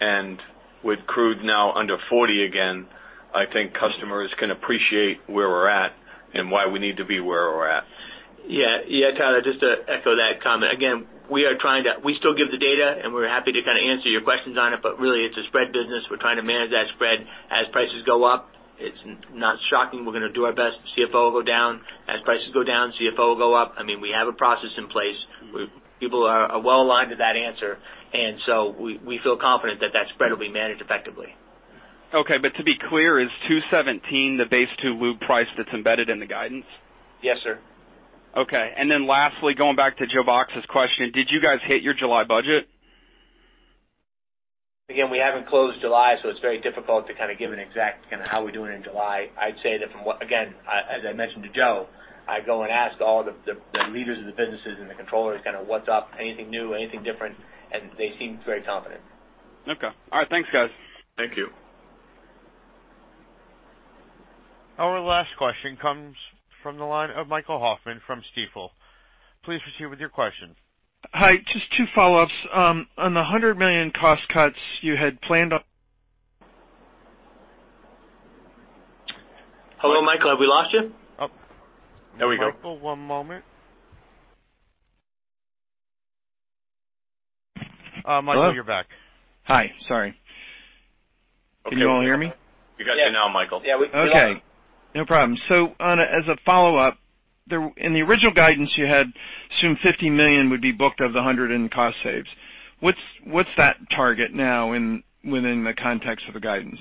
And with crude now under $40 again, I think customers can appreciate where we're at and why we need to be where we're at. Yeah. Yeah, Tyler, just to echo that comment. Again, we are trying to—we still give the data, and we're happy to kind of answer your questions on it. But really, it's a spread business. We're trying to manage that spread as prices go up. It's not shocking. We're going to do our best. CFO will go down. As prices go down, CFO will go up. I mean, we have a process in place. People are well aligned to that answer. And so we feel confident that that spread will be managed effectively. Okay. But to be clear, is 217 the base-to-loop price that's embedded in the guidance? Yes, sir. Okay. And then lastly, going back to Joe Box's question, did you guys hit your July budget? Again, we haven't closed July, so it's very difficult to kind of give an exact kind of how we're doing in July. I'd say that from what, again, as I mentioned to Joe, I go and ask all the leaders of the businesses and the controllers kind of what's up, anything new, anything different. They seem very confident. Okay. All right. Thanks, guys. Thank you. Our last question comes from the line of Michael Hoffman from Stifel. Please proceed with your question. Hi. Just two follow-ups. On the $100 million cost cuts you had planned on— Hello, Michael? Have we lost you? Oh. There we go. Michael, one moment. Michael, you're back. Hi. Sorry. Can you all hear me? You got you now, Michael. Yeah. We can. Okay. No problem. So as a follow-up, in the original guidance, you had assumed $50 million would be booked of the $100 million in cost saves. What's that target now within the context of the guidance?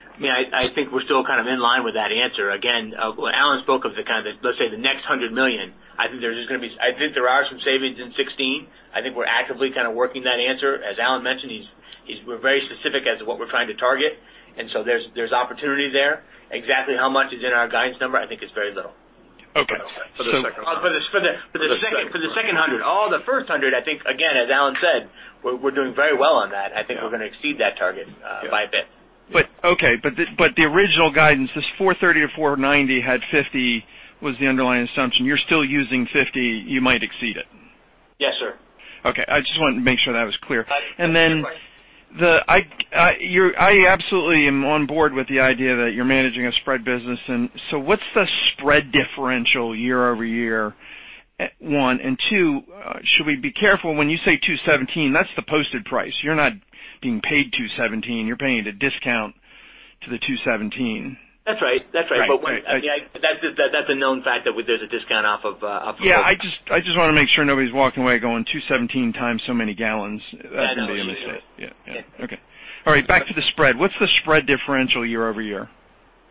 I mean, I think we're still kind of in line with that answer. Again, Alan spoke of the kind of, let's say, the next $100 million. I think there's just going to be, I think there are some savings in 2016. I think we're actively kind of working that answer. As Alan mentioned, we're very specific as to what we're trying to target. And so there's opportunity there. Exactly how much is in our guidance number? I think it's very little. Okay. For the second hundred. For the second hundred. For the 200. All the 100, I think, again, as Alan said, we're doing very well on that. I think we're going to exceed that target by a bit. Okay. But the original guidance, this $430-$490 had $50 was the underlying assumption. You're still using $50. You might exceed it. Yes, sir. Okay. I just wanted to make sure that was clear. And then I absolutely am on board with the idea that you're managing a spread business. And so what's the spread differential year-over-year? 1. And 2, should we be careful? When you say $217, that's the posted price. You're not being paid $217. You're paying a discount to the $217. That's right. That's right. But I mean, that's a known fact that there's a discount off of. Yeah. I just want to make sure nobody's walking away going, "217x so many gallons." That's going to be a mistake. That's a mistake. Yeah. Okay. All right. Back to the spread. What's the spread differential year-over-year?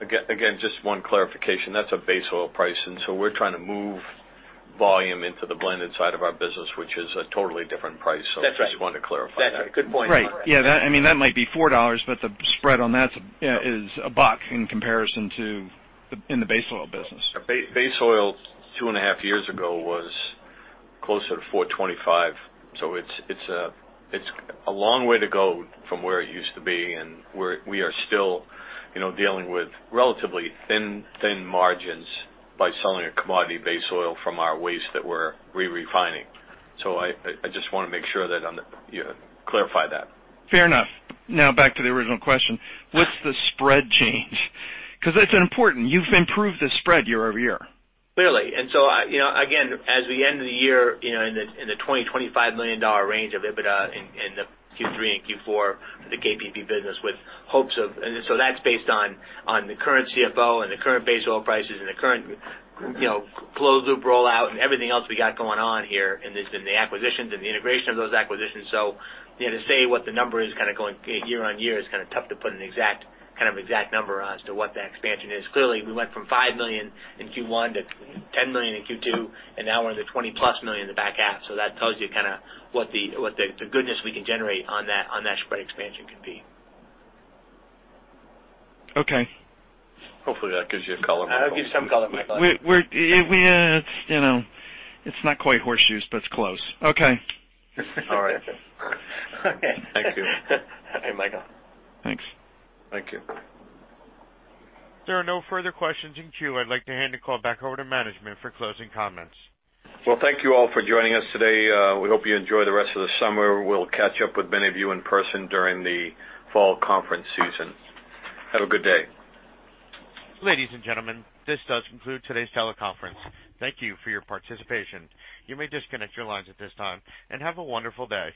Again, just one clarification. That's a base oil price. And so we're trying to move volume into the blended side of our business, which is a totally different price. So I just wanted to clarify that. That's right. Good point. Right. Yeah. I mean, that might be $4, but the spread on that is a buck in comparison to in the base oil business. Base oil 2.5 years ago was closer to $4.25. So it's a long way to go from where it used to be. And we are still dealing with relatively thin margins by selling a commodity base oil from our waste that we're re-refining. So I just want to make sure that you clarify that. Fair enough. Now, back to the original question. What's the spread change? Because it's important. You've improved the spread year over year. Clearly. And so again, as we end the year in the $20-$25 million range of EBITDA in the Q3 and Q4 for the KPP business with hopes of—and so that's based on the current CFO and the current base oil prices and the current closed-loop rollout and everything else we got going on here and the acquisitions and the integration of those acquisitions. So to say what the number is kind of going year-on-year is kind of tough to put an exact kind of exact number on as to what that expansion is. Clearly, we went from $5 million in Q1 to $10 million in Q2, and now we're in the $20+ million in the back half. So that tells you kind of what the goodness we can generate on that spread expansion can be. Okay. Hopefully, that gives you a color on that. That'll give you some color, Michael. It's not quite horseshoes, but it's close. Okay. All right. Thank you. Hey, Michael. Thanks. Thank you. There are no further questions in queue. I'd like to hand the call back over to management for closing comments. Well, thank you all for joining us today. We hope you enjoy the rest of the summer. We'll catch up with many of you in person during the fall conference season. Have a good day. Ladies and gentlemen, this does conclude today's teleconference. Thank you for your participation. You may disconnect your lines at this time. Have a wonderful day.